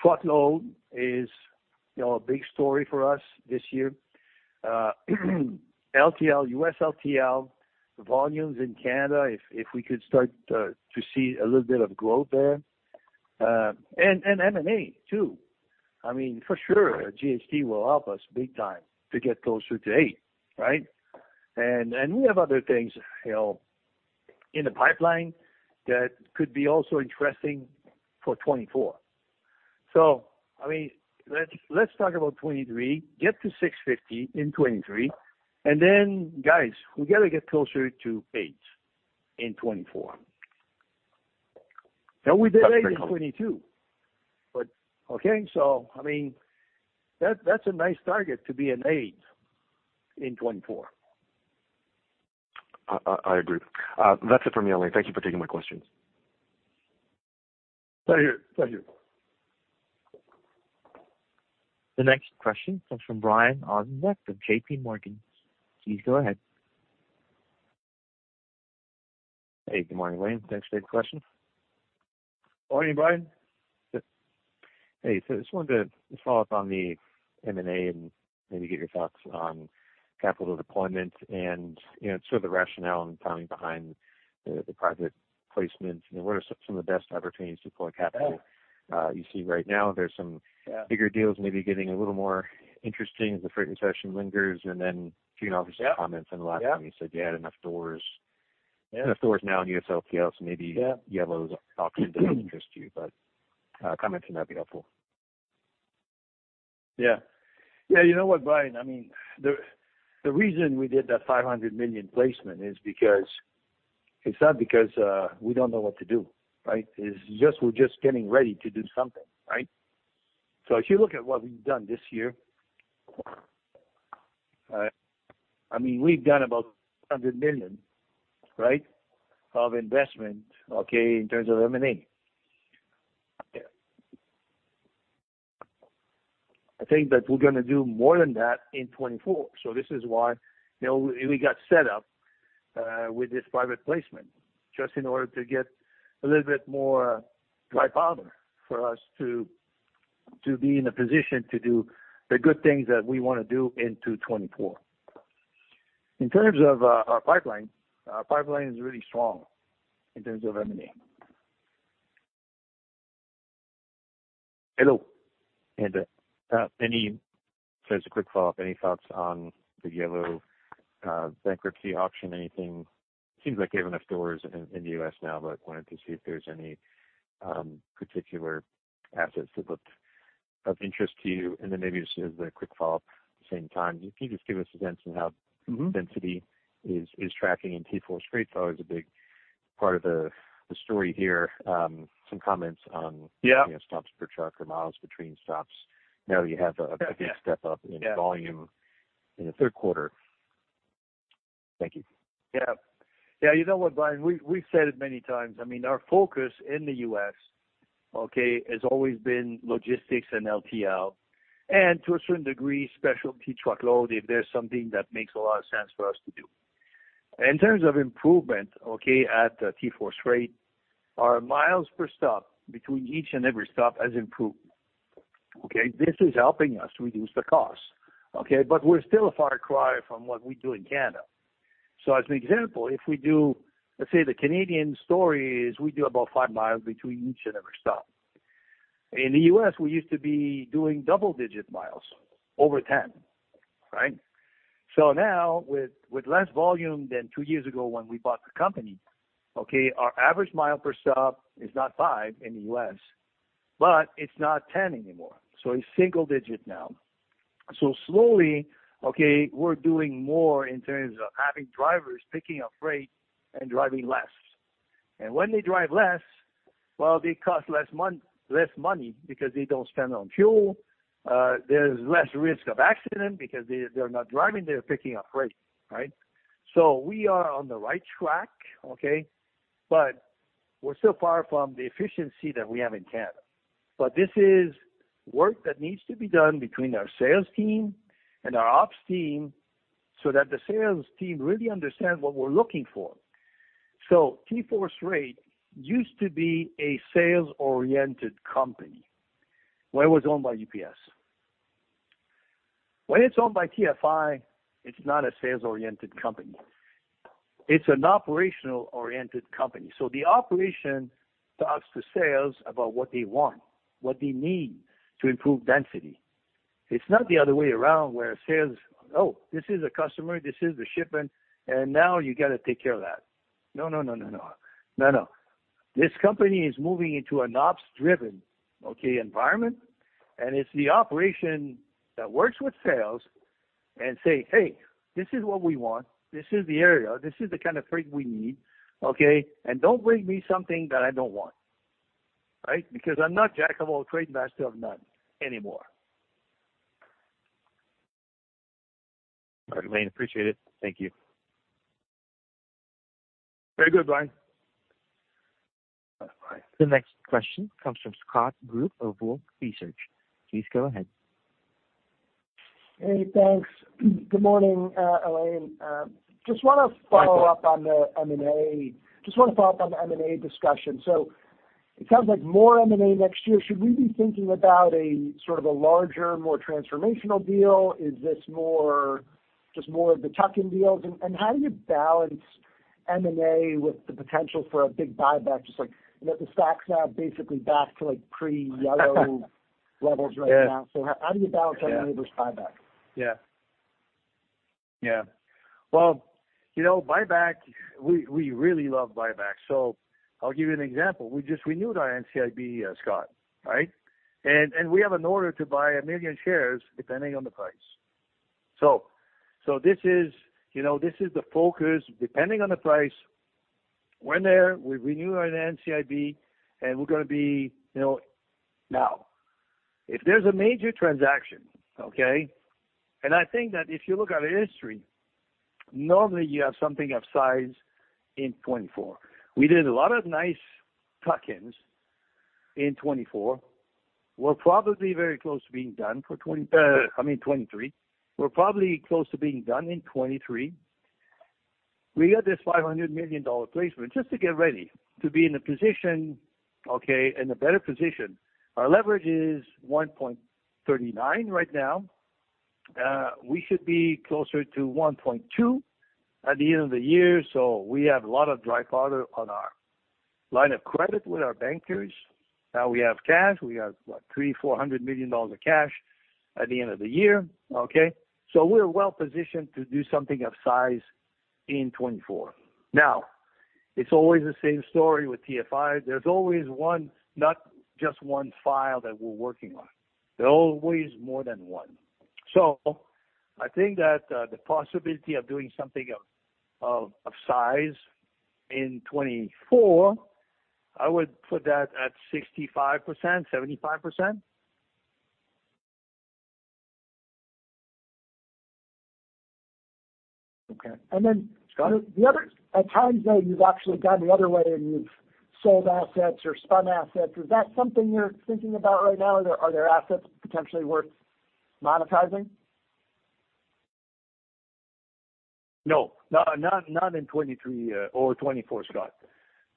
Truckload is, you know, a big story for us this year. LTL, U.S. LTL, volumes in Canada, if we could start to see a little bit of growth there, and M&A too. I mean, for sure, JHT will help us big time to get closer to $8, right? And we have other things, you know, in the pipeline that could be also interesting for 2024. So, I mean, let's talk about 2023. Get to 650 in 2023, and then, guys, we got to get closer to 8 in 2024. Now, we did 8 in 2022, but okay, so I mean, that's a nice target to be an 8 in 2024. I agree. That's it for me, Alain. Thank you for taking my questions. Thank you. Thank you. The next question comes from Brian Ossenbeck of JPMorgan. Please go ahead. Hey, good morning, Alain. Thanks for the question. Morning, Brian. Hey, so I just wanted to follow up on the M&A and maybe get your thoughts on capital deployment and, you know, sort of the rationale and timing behind the private placements. What are some of the best opportunities to deploy capital? You see right now there's some- Yeah. Bigger deals, maybe getting a little more interesting as the freight recession lingers, and then a few obvious comments. Yeah. In the last meeting, you said you had enough doors. Yeah. Enough doors now in US LTL, so maybe- Yeah. Yellow's auction doesn't interest you, but comments from that would be helpful. Yeah. Yeah, you know what, Brian? I mean, the reason we did that $500 million placement is because it's not because we don't know what to do, right? It's just, we're just getting ready to do something, right? So if you look at what we've done this year, I mean, we've done about $100 million, right, of investment, okay, in terms of M&A. I think that we're gonna do more than that in 2024. So this is why, you know, we got set up with this private placement just in order to get a little bit more dry powder for us to be in a position to do the good things that we wanna do into 2024. In terms of our pipeline, our pipeline is really strong in terms of M&A. Hello. And, just a quick follow-up, any thoughts on the Yellow bankruptcy auction? Anything? Seems like you have enough doors in the U.S. now, but wanted to see if there's any particular assets that looked of interest to you. And then maybe just as a quick follow-up at the same time, can you just give us a sense of how- Mm-hmm. Density is tracking in TForce's freight? So always a big part of the story here. Some comments on- Yeah. you know, stops per truck or miles between stops. Now you have a big step up- Yeah. in volume in the third quarter. Thank you. Yeah. Yeah, you know what, Brian? We've, we've said it many times. I mean, our focus in the U.S., okay, has always been Logistics and LTL, and to a certain degree, specialty Truckload, if there's something that makes a lot of sense for us to do. In terms of improvement, okay, at TForce Freight, our miles per stop between each and every stop has improved, okay? This is helping us reduce the costs, okay? But we're still a far cry from what we do in Canada. So as an example, if we do, let's say the Canadian story is we do about five miles between each and every stop. In the U.S., we used to be doing double digit miles, over 10, right? So now, with less volume than two years ago when we bought the company, okay, our average mile per stop is not 5 in the U.S., but it's not 10 anymore. So it's single digit now. So slowly, okay, we're doing more in terms of having drivers picking up freight and driving less. And when they drive less. Well, they cost less month, less money because they don't spend on fuel. There's less risk of accident because they, they're not driving, they're picking up freight, right? So we are on the right track, okay? But we're still far from the efficiency that we have in Canada. But this is work that needs to be done between our sales team and our ops team, so that the sales team really understands what we're looking for. So TForce Freight used to be a sales-oriented company when it was owned by UPS. When it's owned by TFI, it's not a sales-oriented company, it's an operational-oriented company. So the operation talks to sales about what they want, what they need to improve density. It's not the other way around, where sales, "Oh, this is a customer, this is the shipment, and now you got to take care of that." No, no, no, no, no. No, no. This company is moving into an ops-driven, okay, environment, and it's the operation that works with sales and say, "Hey, this is what we want. This is the area, this is the kind of freight we need, okay? And don't bring me something that I don't want, right? Because I'm not jack of all trades, master of none anymore. All right, Alain, appreciate it. Thank you. Very good, Brian. The next question comes from Scott Group of Wolfe Research. Please go ahead. Hey, thanks. Good morning, Alain. Just want to follow up- Hi, Scott. On the M&A. Just want to follow up on the M&A discussion. So it sounds like more M&A next year. Should we be thinking about a sort of a larger, more transformational deal? Is this more, just more of the tuck-in deals? And how do you balance M&A with the potential for a big buyback? Just like, you know, the stock's now basically back to, like, pre-Yellow levels right now. Yeah. How do you balance M&A versus buyback? Yeah. Yeah. Well, you know, buyback, we, we really love buyback, so I'll give you an example. We just renewed our NCIB, Scott, right? And, and we have an order to buy 1 million shares, depending on the price. So, so this is, you know, this is the focus, depending on the price. We're there, we renew our NCIB, and we're gonna be, you know... Now, if there's a major transaction, okay, and I think that if you look at the history, normally you have something of size in 2024. We did a lot of nice tuck-ins in 2024. We're probably very close to being done for 20, I mean, 2023. We're probably close to being done in 2023. We got this $500 million placement just to get ready to be in a position, okay, in a better position. Our leverage is 1.39 right now. We should be closer to 1.2 at the end of the year, so we have a lot of dry powder on our line of credit with our bankers. Now we have cash. We have, what, $300-$400 million of cash at the end of the year. Okay? So we're well positioned to do something of size in 2024. Now, it's always the same story with TFI. There's always one, not just one file that we're working on. There are always more than one. So I think that, the possibility of doing something of size in 2024, I would put that at 65%-75%. Okay. And then- Scott. The other, at times, though, you've actually gone the other way and you've sold assets or spun assets. Is that something you're thinking about right now? Are there, are there assets potentially worth monetizing? No. Not, not, not in 2023 or 2024, Scott.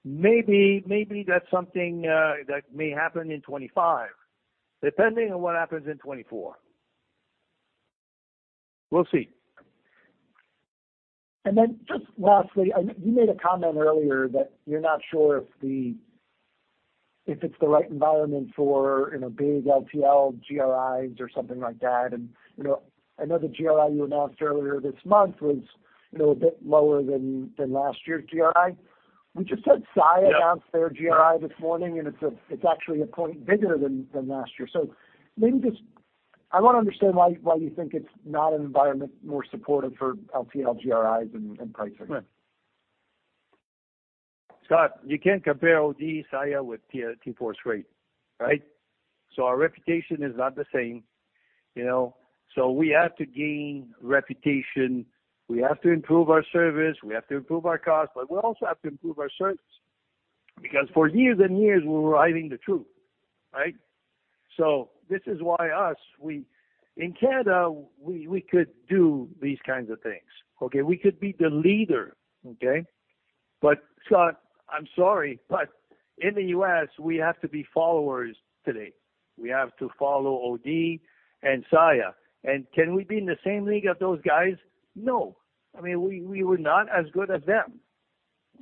Maybe, maybe that's something that may happen in 2025, depending on what happens in 2024. We'll see. Then just lastly, you made a comment earlier that you're not sure if the, if it's the right environment for, you know, big LTL GRIs or something like that. You know, I know the GRI you announced earlier this month was, you know, a bit lower than, than last year's GRI. We just had Saia- Yeah. Announce their GRI this morning, and it's actually a point bigger than last year. So maybe just... I want to understand why you think it's not an environment more supportive for LTL GRIs and pricing. Right. Scott, you can't compare OD, Saia with TForce Freight, right? So our reputation is not the same, you know, so we have to gain reputation, we have to improve our service, we have to improve our cost, but we also have to improve our service, because for years and years, we were hiding the truth, right? So this is why us, we—in Canada, we, we could do these kinds of things, okay? We could be the leader, okay? But Scott, I'm sorry, but in the U.S., we have to be followers today. We have to follow OD and Saia. And can we be in the same league as those guys? No. I mean, we, we were not as good as them.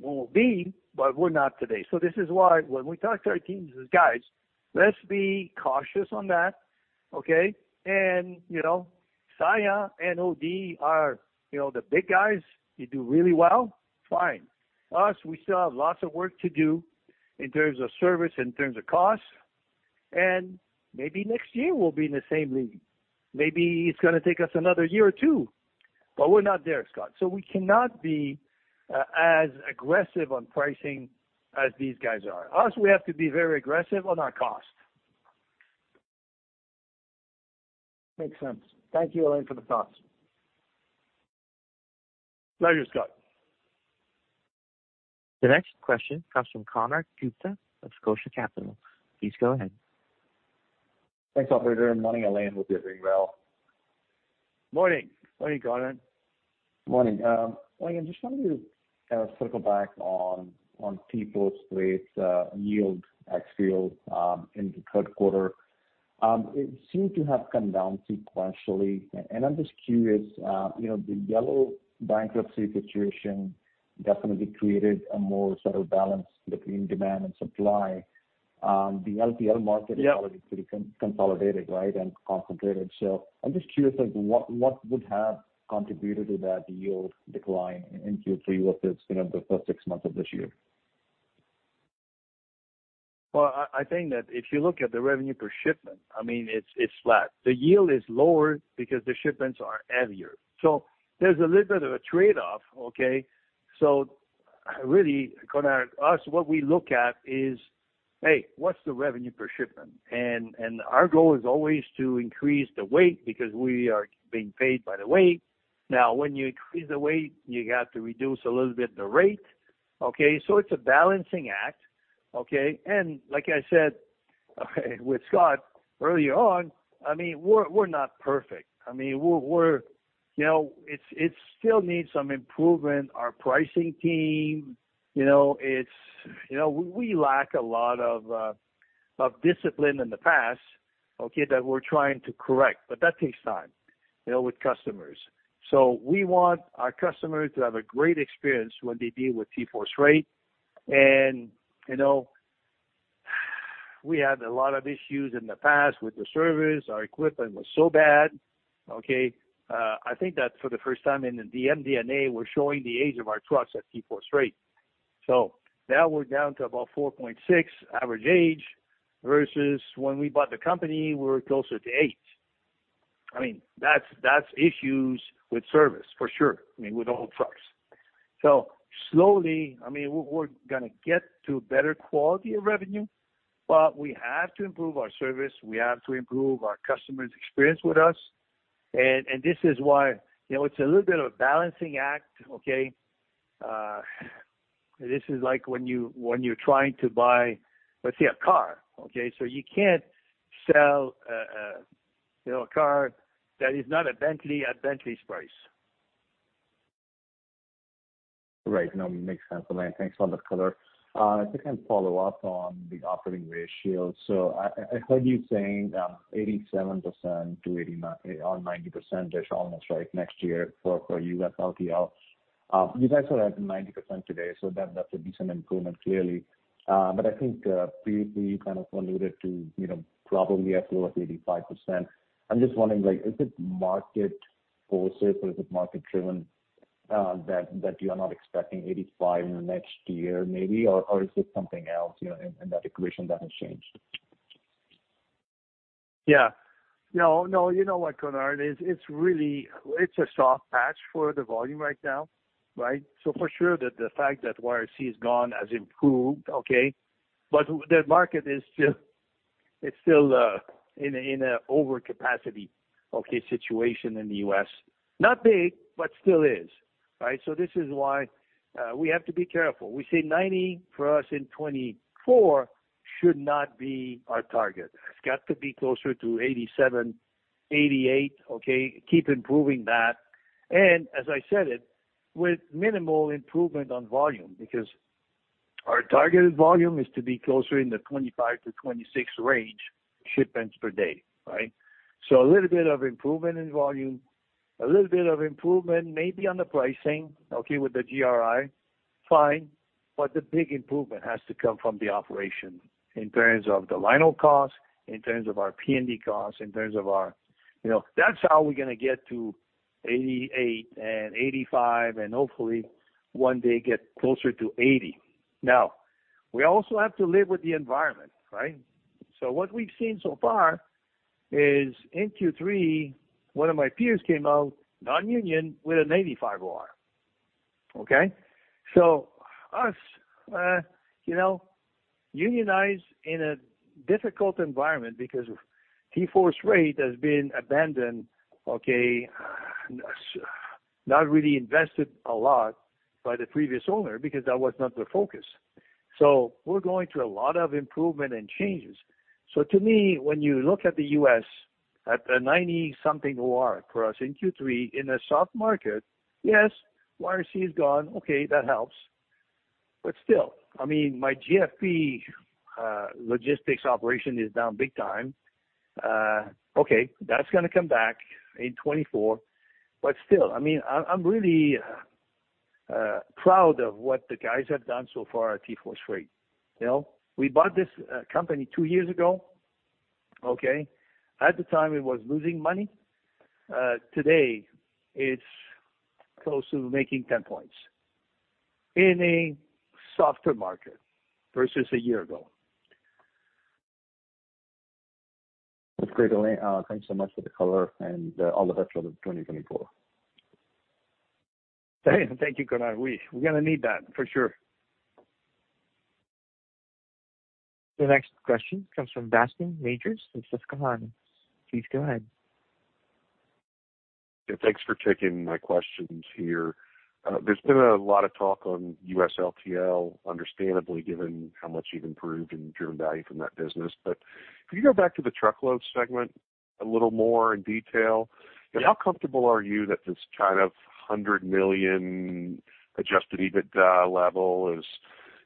We will be, but we're not today. So this is why when we talk to our teams as, guys, let's be cautious on that, okay? You know, Saia and OD are, you know, the big guys. They do really well. Fine. We still have lots of work to do in terms of service, in terms of costs... Maybe next year we'll be in the same league. Maybe it's gonna take us another year or two, but we're not there, Scott. So we cannot be as aggressive on pricing as these guys are. Us, we have to be very aggressive on our cost. Makes sense. Thank you, Alain, for the thoughts. Pleasure, Scott. The next question comes from Konark Gupta of Scotiabank. Please go ahead. Thanks, operator. Morning, Alain. Hope you're doing well. Morning. Morning, Konark. Morning. Again, just wanted to kind of circle back on, on TForce Freight's, yield, ex-yield, in the third quarter. It seemed to have come down sequentially, and I'm just curious, you know, the Yellow bankruptcy situation definitely created a more sort of balance between demand and supply. The LTL market- Yeah. Is already pretty consolidated, right, and concentrated. So I'm just curious, like, what would have contributed to that yield decline in Q3 versus, you know, the first six months of this year? Well, I think that if you look at the revenue per shipment, I mean, it's flat. The yield is lower because the shipments are heavier. So there's a little bit of a trade-off, okay? So really, Konark, what we look at is, hey, what's the revenue per shipment? And our goal is always to increase the weight, because we are being paid by the weight. Now, when you increase the weight, you got to reduce a little bit the rate, okay? So it's a balancing act, okay? And like I said, with Scott earlier on, I mean, we're not perfect. You know, it still needs some improvement. Our pricing team, you know, it... You know, we lack a lot of discipline in the past, okay, that we're trying to correct, but that takes time, you know, with customers. So we want our customers to have a great experience when they deal with TForce Freight. And, you know, we had a lot of issues in the past with the service. Our equipment was so bad, okay? I think that for the first time in the MD&A, we're showing the age of our trucks at TForce Freight. So now we're down to about 4.6 average age, versus when we bought the company, we were closer to eight. I mean, that's, that's issues with service, for sure, I mean, with old trucks. So slowly, I mean, we're, we're gonna get to better quality of revenue, but we have to improve our service, we have to improve our customers' experience with us. And, and this is why, you know, it's a little bit of a balancing act, okay? This is like when you, when you're trying to buy, let's say, a car, okay? So you can't sell, you know, a car that is not a Bentley at Bentley's price. Right. No, makes sense, Alain. Thanks a lot for color. If I can follow up on the operating ratio. So I, I heard you saying, 87%-89% or 90%, there's almost right next year for, for U.S. LTL. You guys are at 90% today, so that, that's a decent improvement, clearly. But I think, previously you kind of alluded to, you know, probably at below 85%. I'm just wondering, like, is it market closer or is it market driven, that, that you are not expecting 85 in the next year, maybe, or, or is it something else, you know, in, in that equation that has changed? Yeah. No, no, you know what, Konark, it's really a soft patch for the volume right now, right? So for sure, the fact that YRC is gone has improved, okay, but the market is still, it's still in an overcapacity, okay, situation in the U.S. Not big, but still is, right? So this is why we have to be careful. We say 90% for us in 2024 should not be our target. It's got to be closer to 87%-88%, okay? Keep improving that. And as I said it, with minimal improvement on volume, because our targeted volume is to be closer in the 25-26 range, shipments per day, right? So a little bit of improvement in volume, a little bit of improvement, maybe on the pricing, okay, with the GRI, fine, but the big improvement has to come from the operation in terms of the line haul costs, in terms of our P&D costs, in terms of our... You know, that's how we're gonna get to 88 and 85, and hopefully one day get closer to 80. Now, we also have to live with the environment, right? So what we've seen so far is in Q3, one of my peers came out, non-union, with an 85 OR, okay? So us, you know, unionized in a difficult environment because TForce Freight has been abandoned, okay, not really invested a lot by the previous owner, because that was not the focus. So we're going through a lot of improvement and changes. So to me, when you look at the U.S., at a 90-something OR for us in Q3, in a soft market, yes, YRC is gone. Okay, that helps. But still, I mean, my GFF Logistics operation is down big time. Okay, that's gonna come back in 2024, but still, I mean, I'm really proud of what the guys have done so far at TForce Freight. You know, we bought this company two years ago, okay? At the time, it was losing money. Today, it's close to making 10 points in a softer market versus a year ago. That's great, Alain. Thank you so much for the color and all the best for 2024. Thank you, Konark. We're gonna need that, for sure. The next question comes from Bascome Majors from Susquehanna. Please go ahead. Yeah, thanks for taking my questions here. There's been a lot of talk on U.S. LTL, understandably, given how much you've improved and driven value from that business. But could you go back to the Truckload segment a little more in detail? Yeah. How comfortable are you that this kind of $100 million adjusted EBIT level is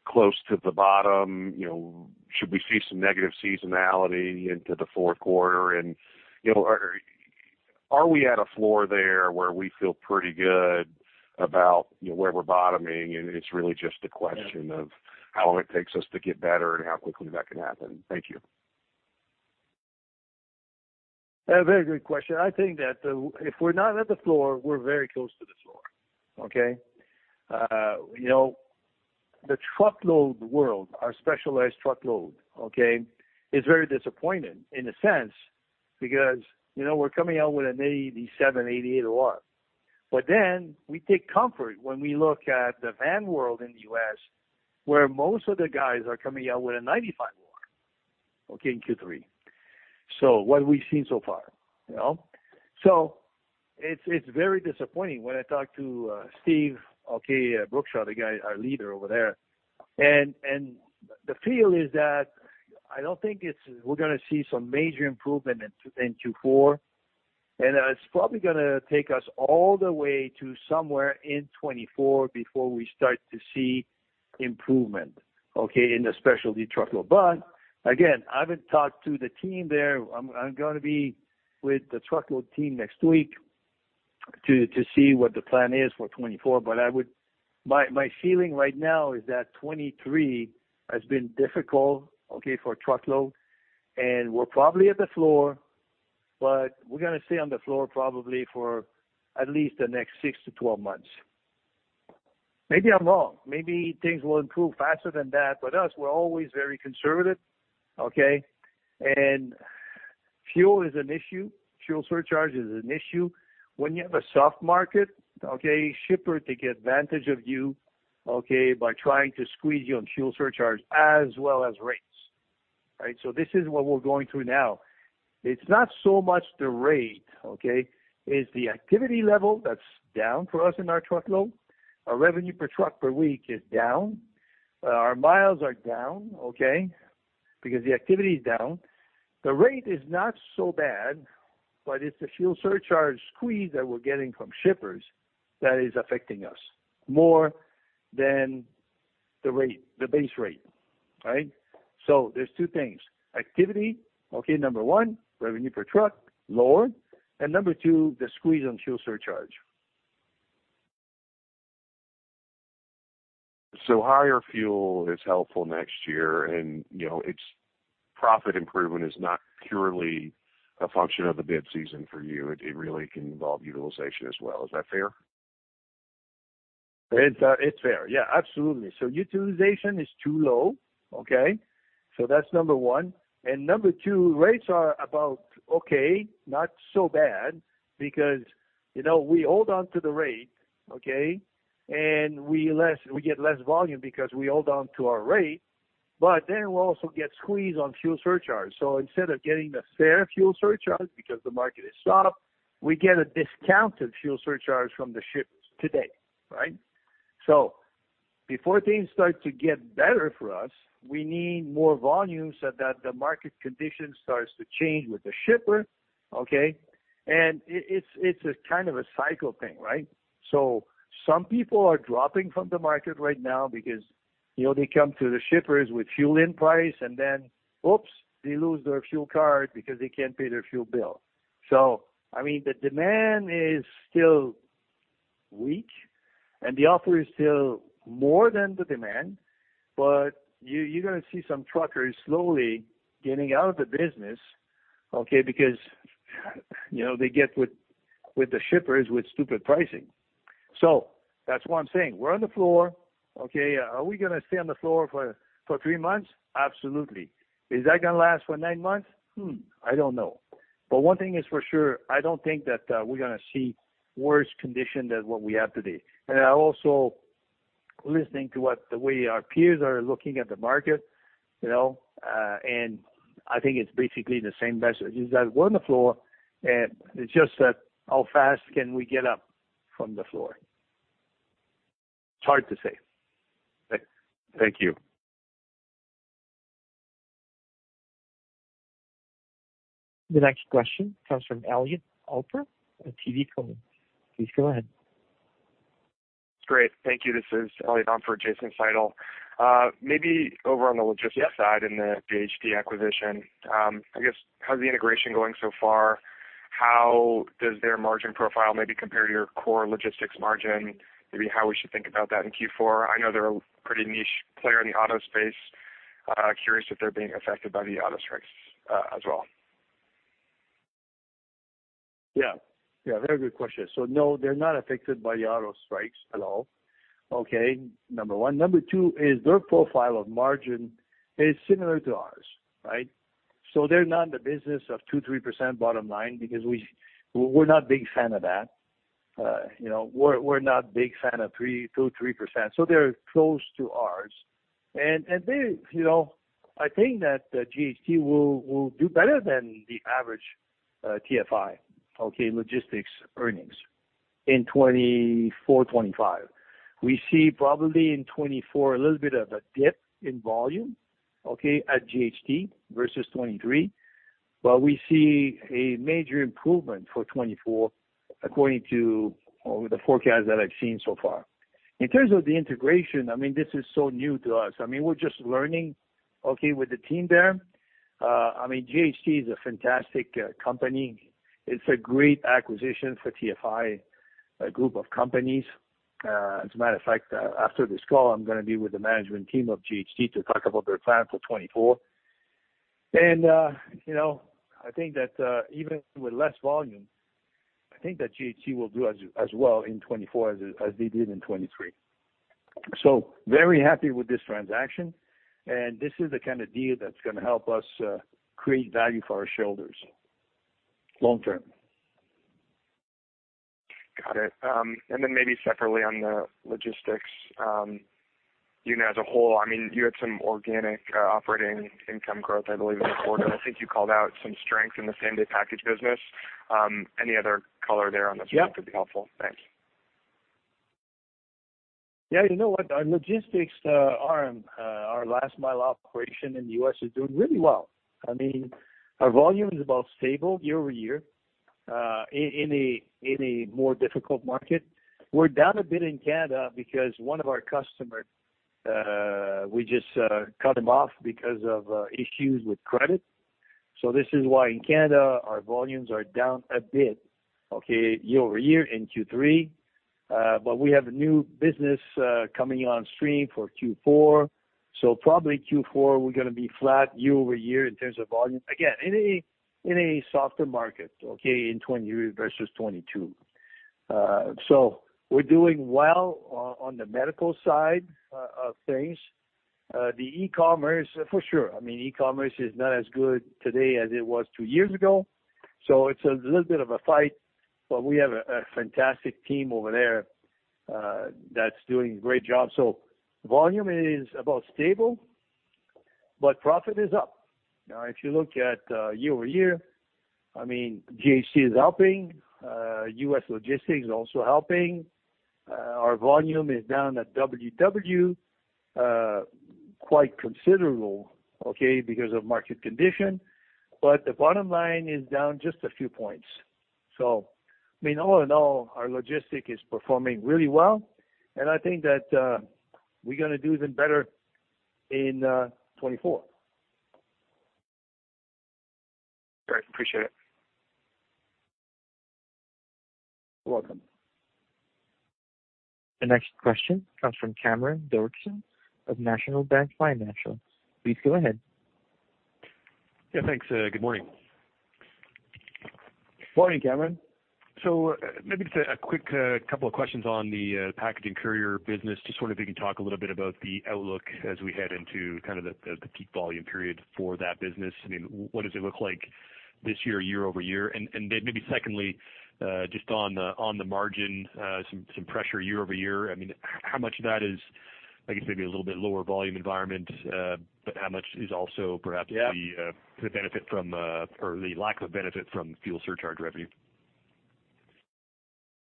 close to the bottom, you know, should we see some negative seasonality into the fourth quarter? You know, are we at a floor there where we feel pretty good about, you know, where we're bottoming, and it's really just a question of how long it takes us to get better and how quickly that can happen? Thank you. A very good question. I think that, if we're not at the floor, we're very close to the floor. Okay? You know, the Truckload world, our specialized Truckload, okay, is very disappointing in a sense, because, you know, we're coming out with an 87-88 OR. But then we take comfort when we look at the van world in the U.S., where most of the guys are coming out with a 95 OR, okay, in Q3. So what have we seen so far? You know. So it's, it's very disappointing when I talk to Steve Brookshaw, the guy, our leader over there. And the feel is that I don't think it's—we're gonna see some major improvement in Q4, and it's probably gonna take us all the way to somewhere in 2024 before we start to see improvement, okay, in the specialty Truckload. But again, I haven't talked to the team there. I'm gonna be with the Truckload team next week to see what the plan is for 2024, but my feeling right now is that 2023 has been difficult, okay, for Truckload, and we're probably at the floor, but we're gonna stay on the floor probably for at least the next six-12 months. Maybe I'm wrong. Maybe things will improve faster than that, but us, we're always very conservative, okay? And fuel is an issue. Fuel surcharge is an issue. When you have a soft market, okay, shipper take advantage of you, okay, by trying to squeeze you on fuel surcharge as well as rates, right? So this is what we're going through now. It's not so much the rate, okay? It's the activity level that's down for us in our Truckload. Our revenue per truck per week is down. Our miles are down, okay? Because the activity is down. The rate is not so bad, but it's the fuel surcharge squeeze that we're getting from shippers that is affecting us more than the rate, the base rate. All right. So there's two things. Activity, okay, number one, revenue per truck, lower, and number two, the squeeze on fuel surcharge. Higher fuel is helpful next year, and you know, it's profit improvement is not purely a function of the bid season for you. It really can involve utilization as well. Is that fair? It's fair. Yeah, absolutely. So utilization is too low, okay? So that's number one. And number two, rates are about okay, not so bad, because, you know, we hold on to the rate, okay, and we get less volume because we hold on to our rate, but then we also get squeezed on fuel surcharge. So instead of getting the fair fuel surcharge, because the market is soft, we get a discounted fuel surcharge from the shippers today, right? So before things start to get better for us, we need more volume so that the market condition starts to change with the shipper, okay? And it's a kind of a cycle thing, right? So some people are dropping from the market right now because, you know, they come to the shippers with fuel-in price, and then, oops, they lose their fuel card because they can't pay their fuel bill. So, I mean, the demand is still weak, and the offer is still more than the demand, but you, you're gonna see some truckers slowly getting out of the business, okay, because, you know, they get with the shippers with stupid pricing. So that's why I'm saying we're on the floor, okay, are we gonna stay on the floor for three months? Absolutely. Is that gonna last for nine months? Hmm, I don't know. But one thing is for sure, I don't think that we're gonna see worse conditions than what we have today. And I also listening to what the way our peers are looking at the market, you know, and I think it's basically the same message, is that we're on the floor, and it's just that how fast can we get up from the floor? It's hard to say. Thank you. The next question comes from Elliot Alper at TD Cowen. Please go ahead. Great. Thank you. This is Elliot Alper for Jason Seidel. Maybe over on the Logistics side in the JHT acquisition, I guess, how's the integration going so far? How does their margin profile maybe compare to your core Logistics margin? Maybe how we should think about that in Q4. I know they're a pretty niche player in the auto space. Curious if they're being affected by the auto strikes, as well.... Yeah. Yeah, very good question. So no, they're not affected by the auto strikes at all, okay, number one. Number two is their profile of margin is similar to ours, right? So they're not in the business of 2-3% bottom line, because we, we're not a big fan of that. You know, we're, we're not big fan of 2-3%. So they're close to ours. And they, you know, I think that JHT will do better than the average TFI Logistics earnings in 2024, 2025. We see probably in 2024 a little bit of a dip in volume, okay, at JHT versus 2023. But we see a major improvement for 2024, according to the forecast that I've seen so far. In terms of the integration, I mean, this is so new to us. I mean, we're just learning, okay, with the team there. I mean, JHT is a fantastic company. It's a great acquisition for TFI, a group of companies. As a matter of fact, after this call, I'm gonna be with the management team of JHT to talk about their plans for 2024. And, you know, I think that, even with less volume, I think that JHT will do as well in 2024 as they did in 2023. So very happy with this transaction, and this is the kind of deal that's gonna help us create value for our shareholders, long term. Got it. And then maybe separately on the Logistics, you know, as a whole, I mean, you had some organic operating income growth, I believe, in the quarter, and I think you called out some strength in the same-day package business. Any other color there on this- Yeah. Would be helpful? Thanks. Yeah, you know what? Our Logistics arm, our last mile operation in the U.S., is doing really well. I mean, our volume is about stable year-over-year, in a more difficult market. We're down a bit in Canada because one of our customers, we just cut them off because of issues with credit. So this is why in Canada, our volumes are down a bit, okay, year-over-year in Q3. But we have a new business coming on stream for Q4. So probably Q4, we're gonna be flat year-over-year in terms of volume. Again, in a softer market, okay, in 2020 versus 2022. So we're doing well on the medical side of things. The e-commerce, for sure, I mean, e-commerce is not as good today as it was two years ago, so it's a little bit of a fight, but we have a fantastic team over there that's doing a great job. So volume is about stable, but profit is up. Now, if you look at year-over-year, I mean, GHC is helping, U.S. Logistics is also helping. Our volume is down at WW quite considerable, okay, because of market condition, but the bottom line is down just a few points. So, I mean, all in all, our Logistics is performing really well, and I think that we're gonna do even better in 2024. Great. Appreciate it. You're welcome. The next question comes from Cameron Doerksen of National Bank Financial. Please go ahead. Yeah, thanks, good morning. Morning, Cameron. So maybe just a quick couple of questions on the package and courier business. Just wonder if you can talk a little bit about the outlook as we head into kind of the peak volume period for that business. I mean, what does it look like this year, year-over-year? And then maybe secondly, just on the margin, some pressure year-over-year. I mean, how much of that is, I guess, maybe a little bit lower volume environment, but how much is also perhaps the, Yeah -the benefit from, or the lack of benefit from fuel surcharge revenue?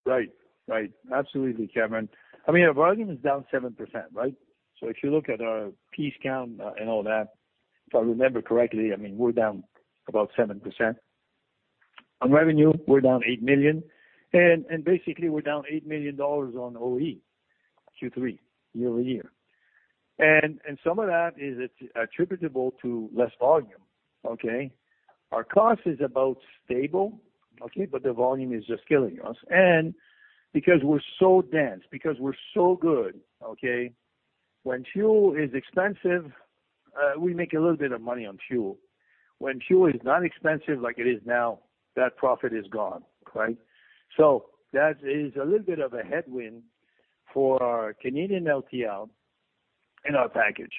Right. Right. Absolutely, Cameron. I mean, our volume is down 7%, right? So if you look at our piece count and all that, if I remember correctly, I mean, we're down about 7%. On revenue, we're down $8 million, and basically we're down $8 million on OE, Q3, year-over-year. And some of that is attributable to less volume, okay? Our cost is about stable, okay, but the volume is just killing us. And because we're so dense, because we're so good, okay, when fuel is expensive, we make a little bit of money on fuel. When fuel is not expensive like it is now, that profit is gone, right? So that is a little bit of a headwind for our Canadian LTL and our package.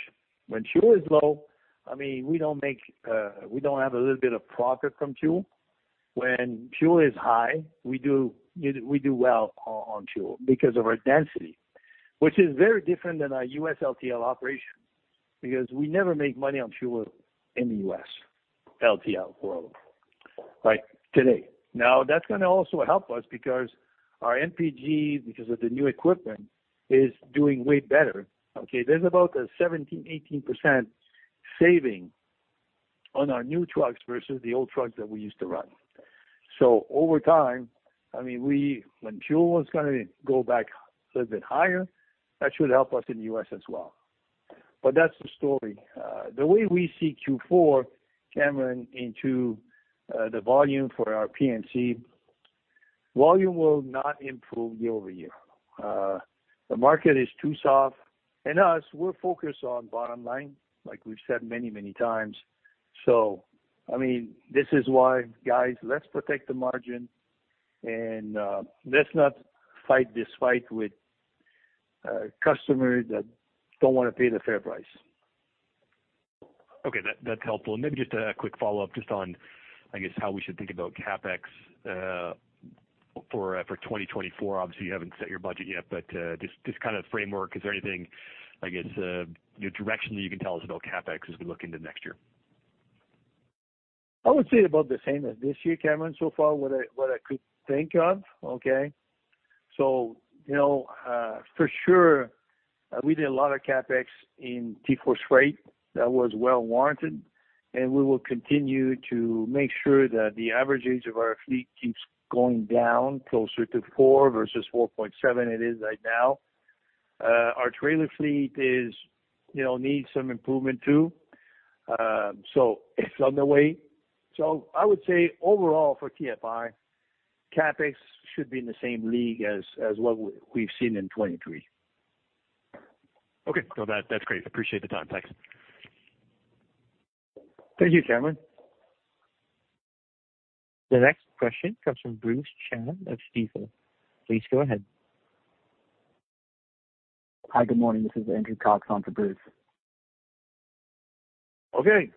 When fuel is low, I mean, we don't make, we don't have a little bit of profit from fuel. When fuel is high, we do, we do well on fuel because of our density, which is very different than our US LTL operation, because we never make money on fuel in the US LTL world, right, today. Now, that's gonna also help us because our MPG, because of the new equipment, is doing way better, okay? There's about a 17%-18% saving on our new trucks versus the old trucks that we used to run. So over time, I mean, when fuel is gonna go back a little bit higher, that should help us in the US as well. But that's the story. The way we see Q4, Cameron, into the volume for our P&C, volume will not improve year-over-year. The market is too soft, and us, we're focused on bottom line, like we've said many, many times. So, I mean, this is why, guys, let's protect the margin and, let's not fight this fight with, customers that don't want to pay the fair price. Okay, that's helpful. Maybe just a quick follow-up on how we should think about CapEx for 2024. Obviously, you haven't set your budget yet, but just kind of framework. Is there anything, I guess, your direction that you can tell us about CapEx as we look into next year? I would say about the same as this year, Cameron, so far, what I could think of, okay? So, you know, for sure, we did a lot of CapEx in TForce Freight that was well warranted, and we will continue to make sure that the average age of our fleet keeps going down closer to 4 versus 4.7 it is right now. Our trailer fleet, you know, needs some improvement, too. So it's on the way. So I would say, overall for TFI, CapEx should be in the same league as what we've seen in 2023. Okay, so that, that's great. I appreciate the time. Thanks. Thank you, Cameron. The next question comes from Bruce Chan of Stifel. Please go ahead. Hi, good morning. This is Andrew Cox on for Bruce. Okay,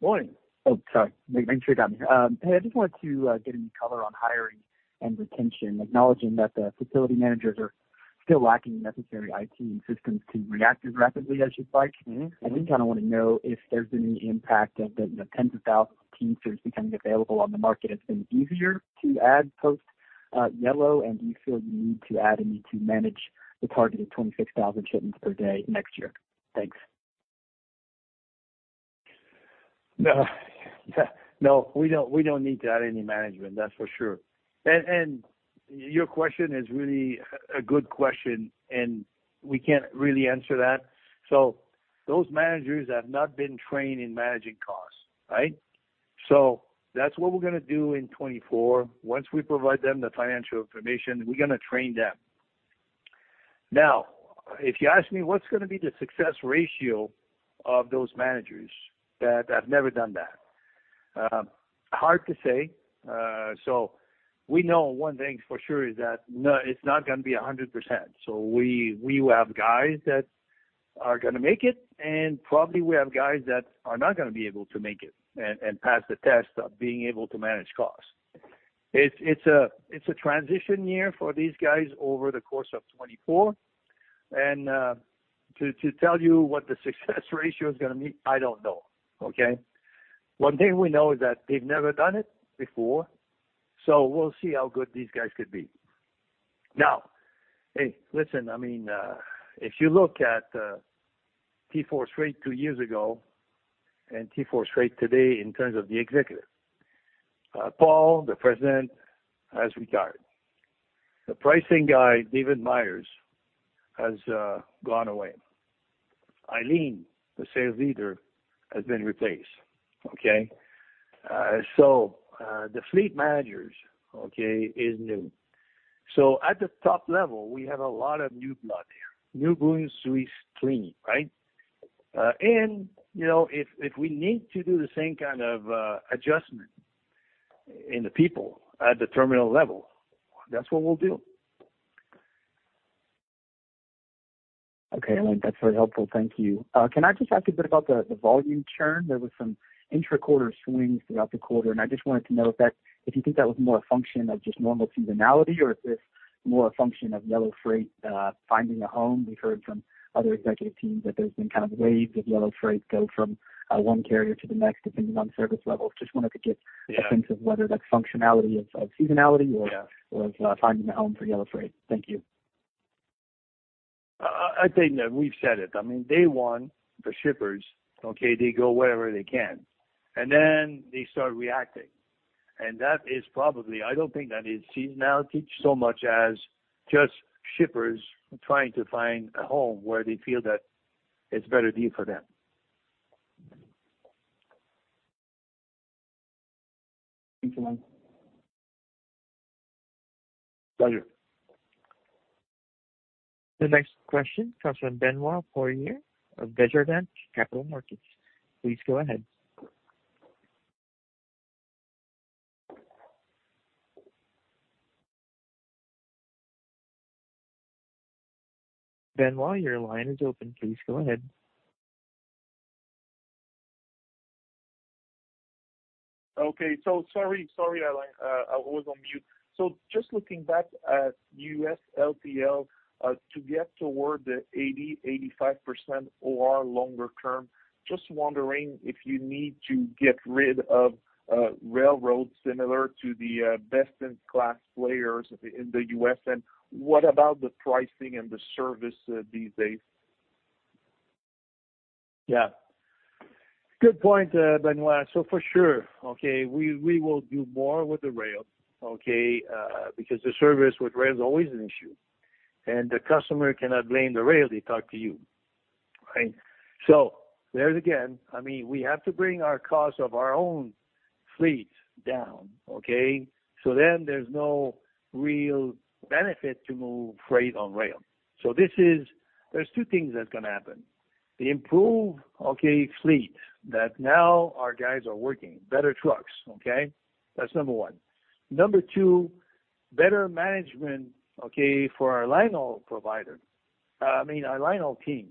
morning. Oh, sorry, making sure you got me. Hey, I just wanted to get any color on hiring and retention, acknowledging that the facility managers are still lacking the necessary IT systems to react as rapidly as you'd like. Mm-hmm. I just kind of want to know if there's any impact of the tens of thousands of Teamsters becoming available on the market. It's been easier to add post, Yellow, and do you feel you need to add any to manage the target of 26,000 shipments per day next year? Thanks. No, no, we don't, we don't need to add any management, that's for sure. And your question is really a good question, and we can't really answer that. So those managers have not been trained in managing costs, right? So that's what we're gonna do in 2024. Once we provide them the financial information, we're gonna train them. Now, if you ask me what's gonna be the success ratio of those managers that have never done that? Hard to say. So we know one thing for sure is that, no, it's not gonna be 100%. So we, we will have guys that are gonna make it, and probably we have guys that are not gonna be able to make it and pass the test of being able to manage costs. It's a transition year for these guys over the course of 2024. And to tell you what the success ratio is gonna be, I don't know. Okay? One thing we know is that they've never done it before, so we'll see how good these guys could be. Now, hey, listen, I mean, if you look at TForce Freight two years ago and TForce Freight today in terms of the executive, Paul, the president, has retired. The pricing guy, David Myers, has gone away. Eileen, the sales leader, has been replaced, okay? So the fleet managers is new. So at the top level, we have a lot of new blood here, new broom sweep clean, right? You know, if we need to do the same kind of adjustment in the people at the terminal level, that's what we'll do. Okay, that's very helpful. Thank you. Can I just ask a bit about the volume churn? There was some intra-quarter swings throughout the quarter, and I just wanted to know if that—if you think that was more a function of just normal seasonality, or is this more a function of Yellow Freight finding a home? We've heard from other executive teams that there's been kind of waves of Yellow Freight go from one carrier to the next, depending on service levels. Just wanted to get- Yeah. a sense of whether that's functionality of seasonality or Yeah. or finding a home for Yellow Freight. Thank you. I think that we've said it. I mean, day one, the shippers, okay, they go wherever they can, and then they start reacting. And that is probably... I don't think that is seasonality so much as just shippers trying to find a home where they feel that it's a better deal for them. Thank you, Alain. Pleasure. The next question comes from Benoit Poirier of Desjardins Capital Markets. Please go ahead. Benoit, your line is open. Please go ahead. Okay. So sorry, sorry, Alain, I was on mute. So just looking back at U.S. LTL, to get toward the 80-85% or longer term, just wondering if you need to get rid of, railroads similar to the, best-in-class players in the U.S., and what about the pricing and the service, these days? Yeah. Good point, Benoit. So for sure, okay, we will do more with the rail, okay? Because the service with rail is always an issue, and the customer cannot blame the rail, they talk to you.... Right? So there's, again, I mean, we have to bring our cost of our own fleet down, okay? So then there's no real benefit to move freight on rail. So this is, there's two things that's going to happen. The improved, okay, fleet, that now our guys are working, better trucks, okay? That's number one. Number two, better management, okay, for our linehaul provider, I mean, our linehaul team,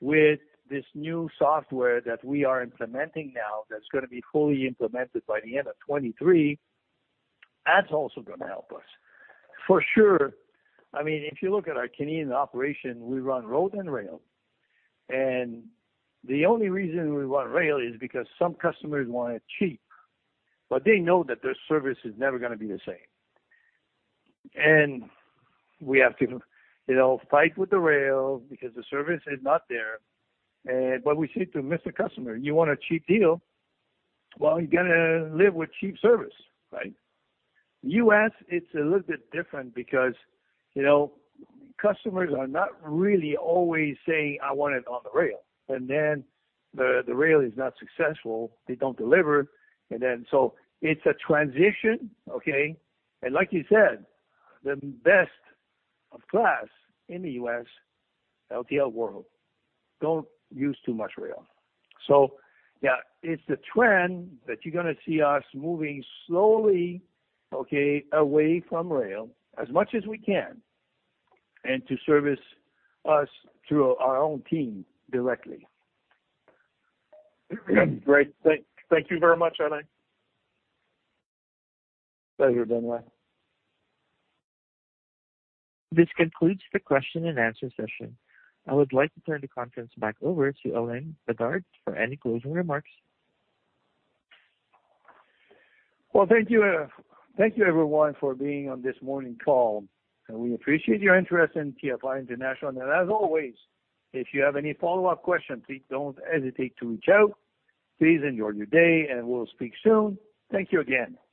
with this new software that we are implementing now, that's going to be fully implemented by the end of 2023, that's also going to help us. For sure, I mean, if you look at our Canadian operation, we run road and rail, and the only reason we want rail is because some customers want it cheap, but they know that their service is never gonna be the same. And we have to, you know, fight with the rail because the service is not there. And but we say to Mr. Customer, "You want a cheap deal? Well, you got to live with cheap service," right? U.S., it's a little bit different because, you know, customers are not really always saying, "I want it on the rail." And then the rail is not successful, they don't deliver, and then so it's a transition, okay? And like you said, the best of class in the U.S. LTL world don't use too much rail. So yeah, it's a trend that you're gonna see us moving slowly, okay, away from rail as much as we can, and to service us through our own team directly. Great. Thank you very much, Alain. Pleasure, Benoit. This concludes the question-and-answer session. I would like to turn the conference back over to Alain Bédard for any closing remarks. Well, thank you, thank you, everyone, for being on this morning call, and we appreciate your interest in TFI International. As always, if you have any follow-up questions, please don't hesitate to reach out. Please enjoy your day, and we'll speak soon. Thank you again.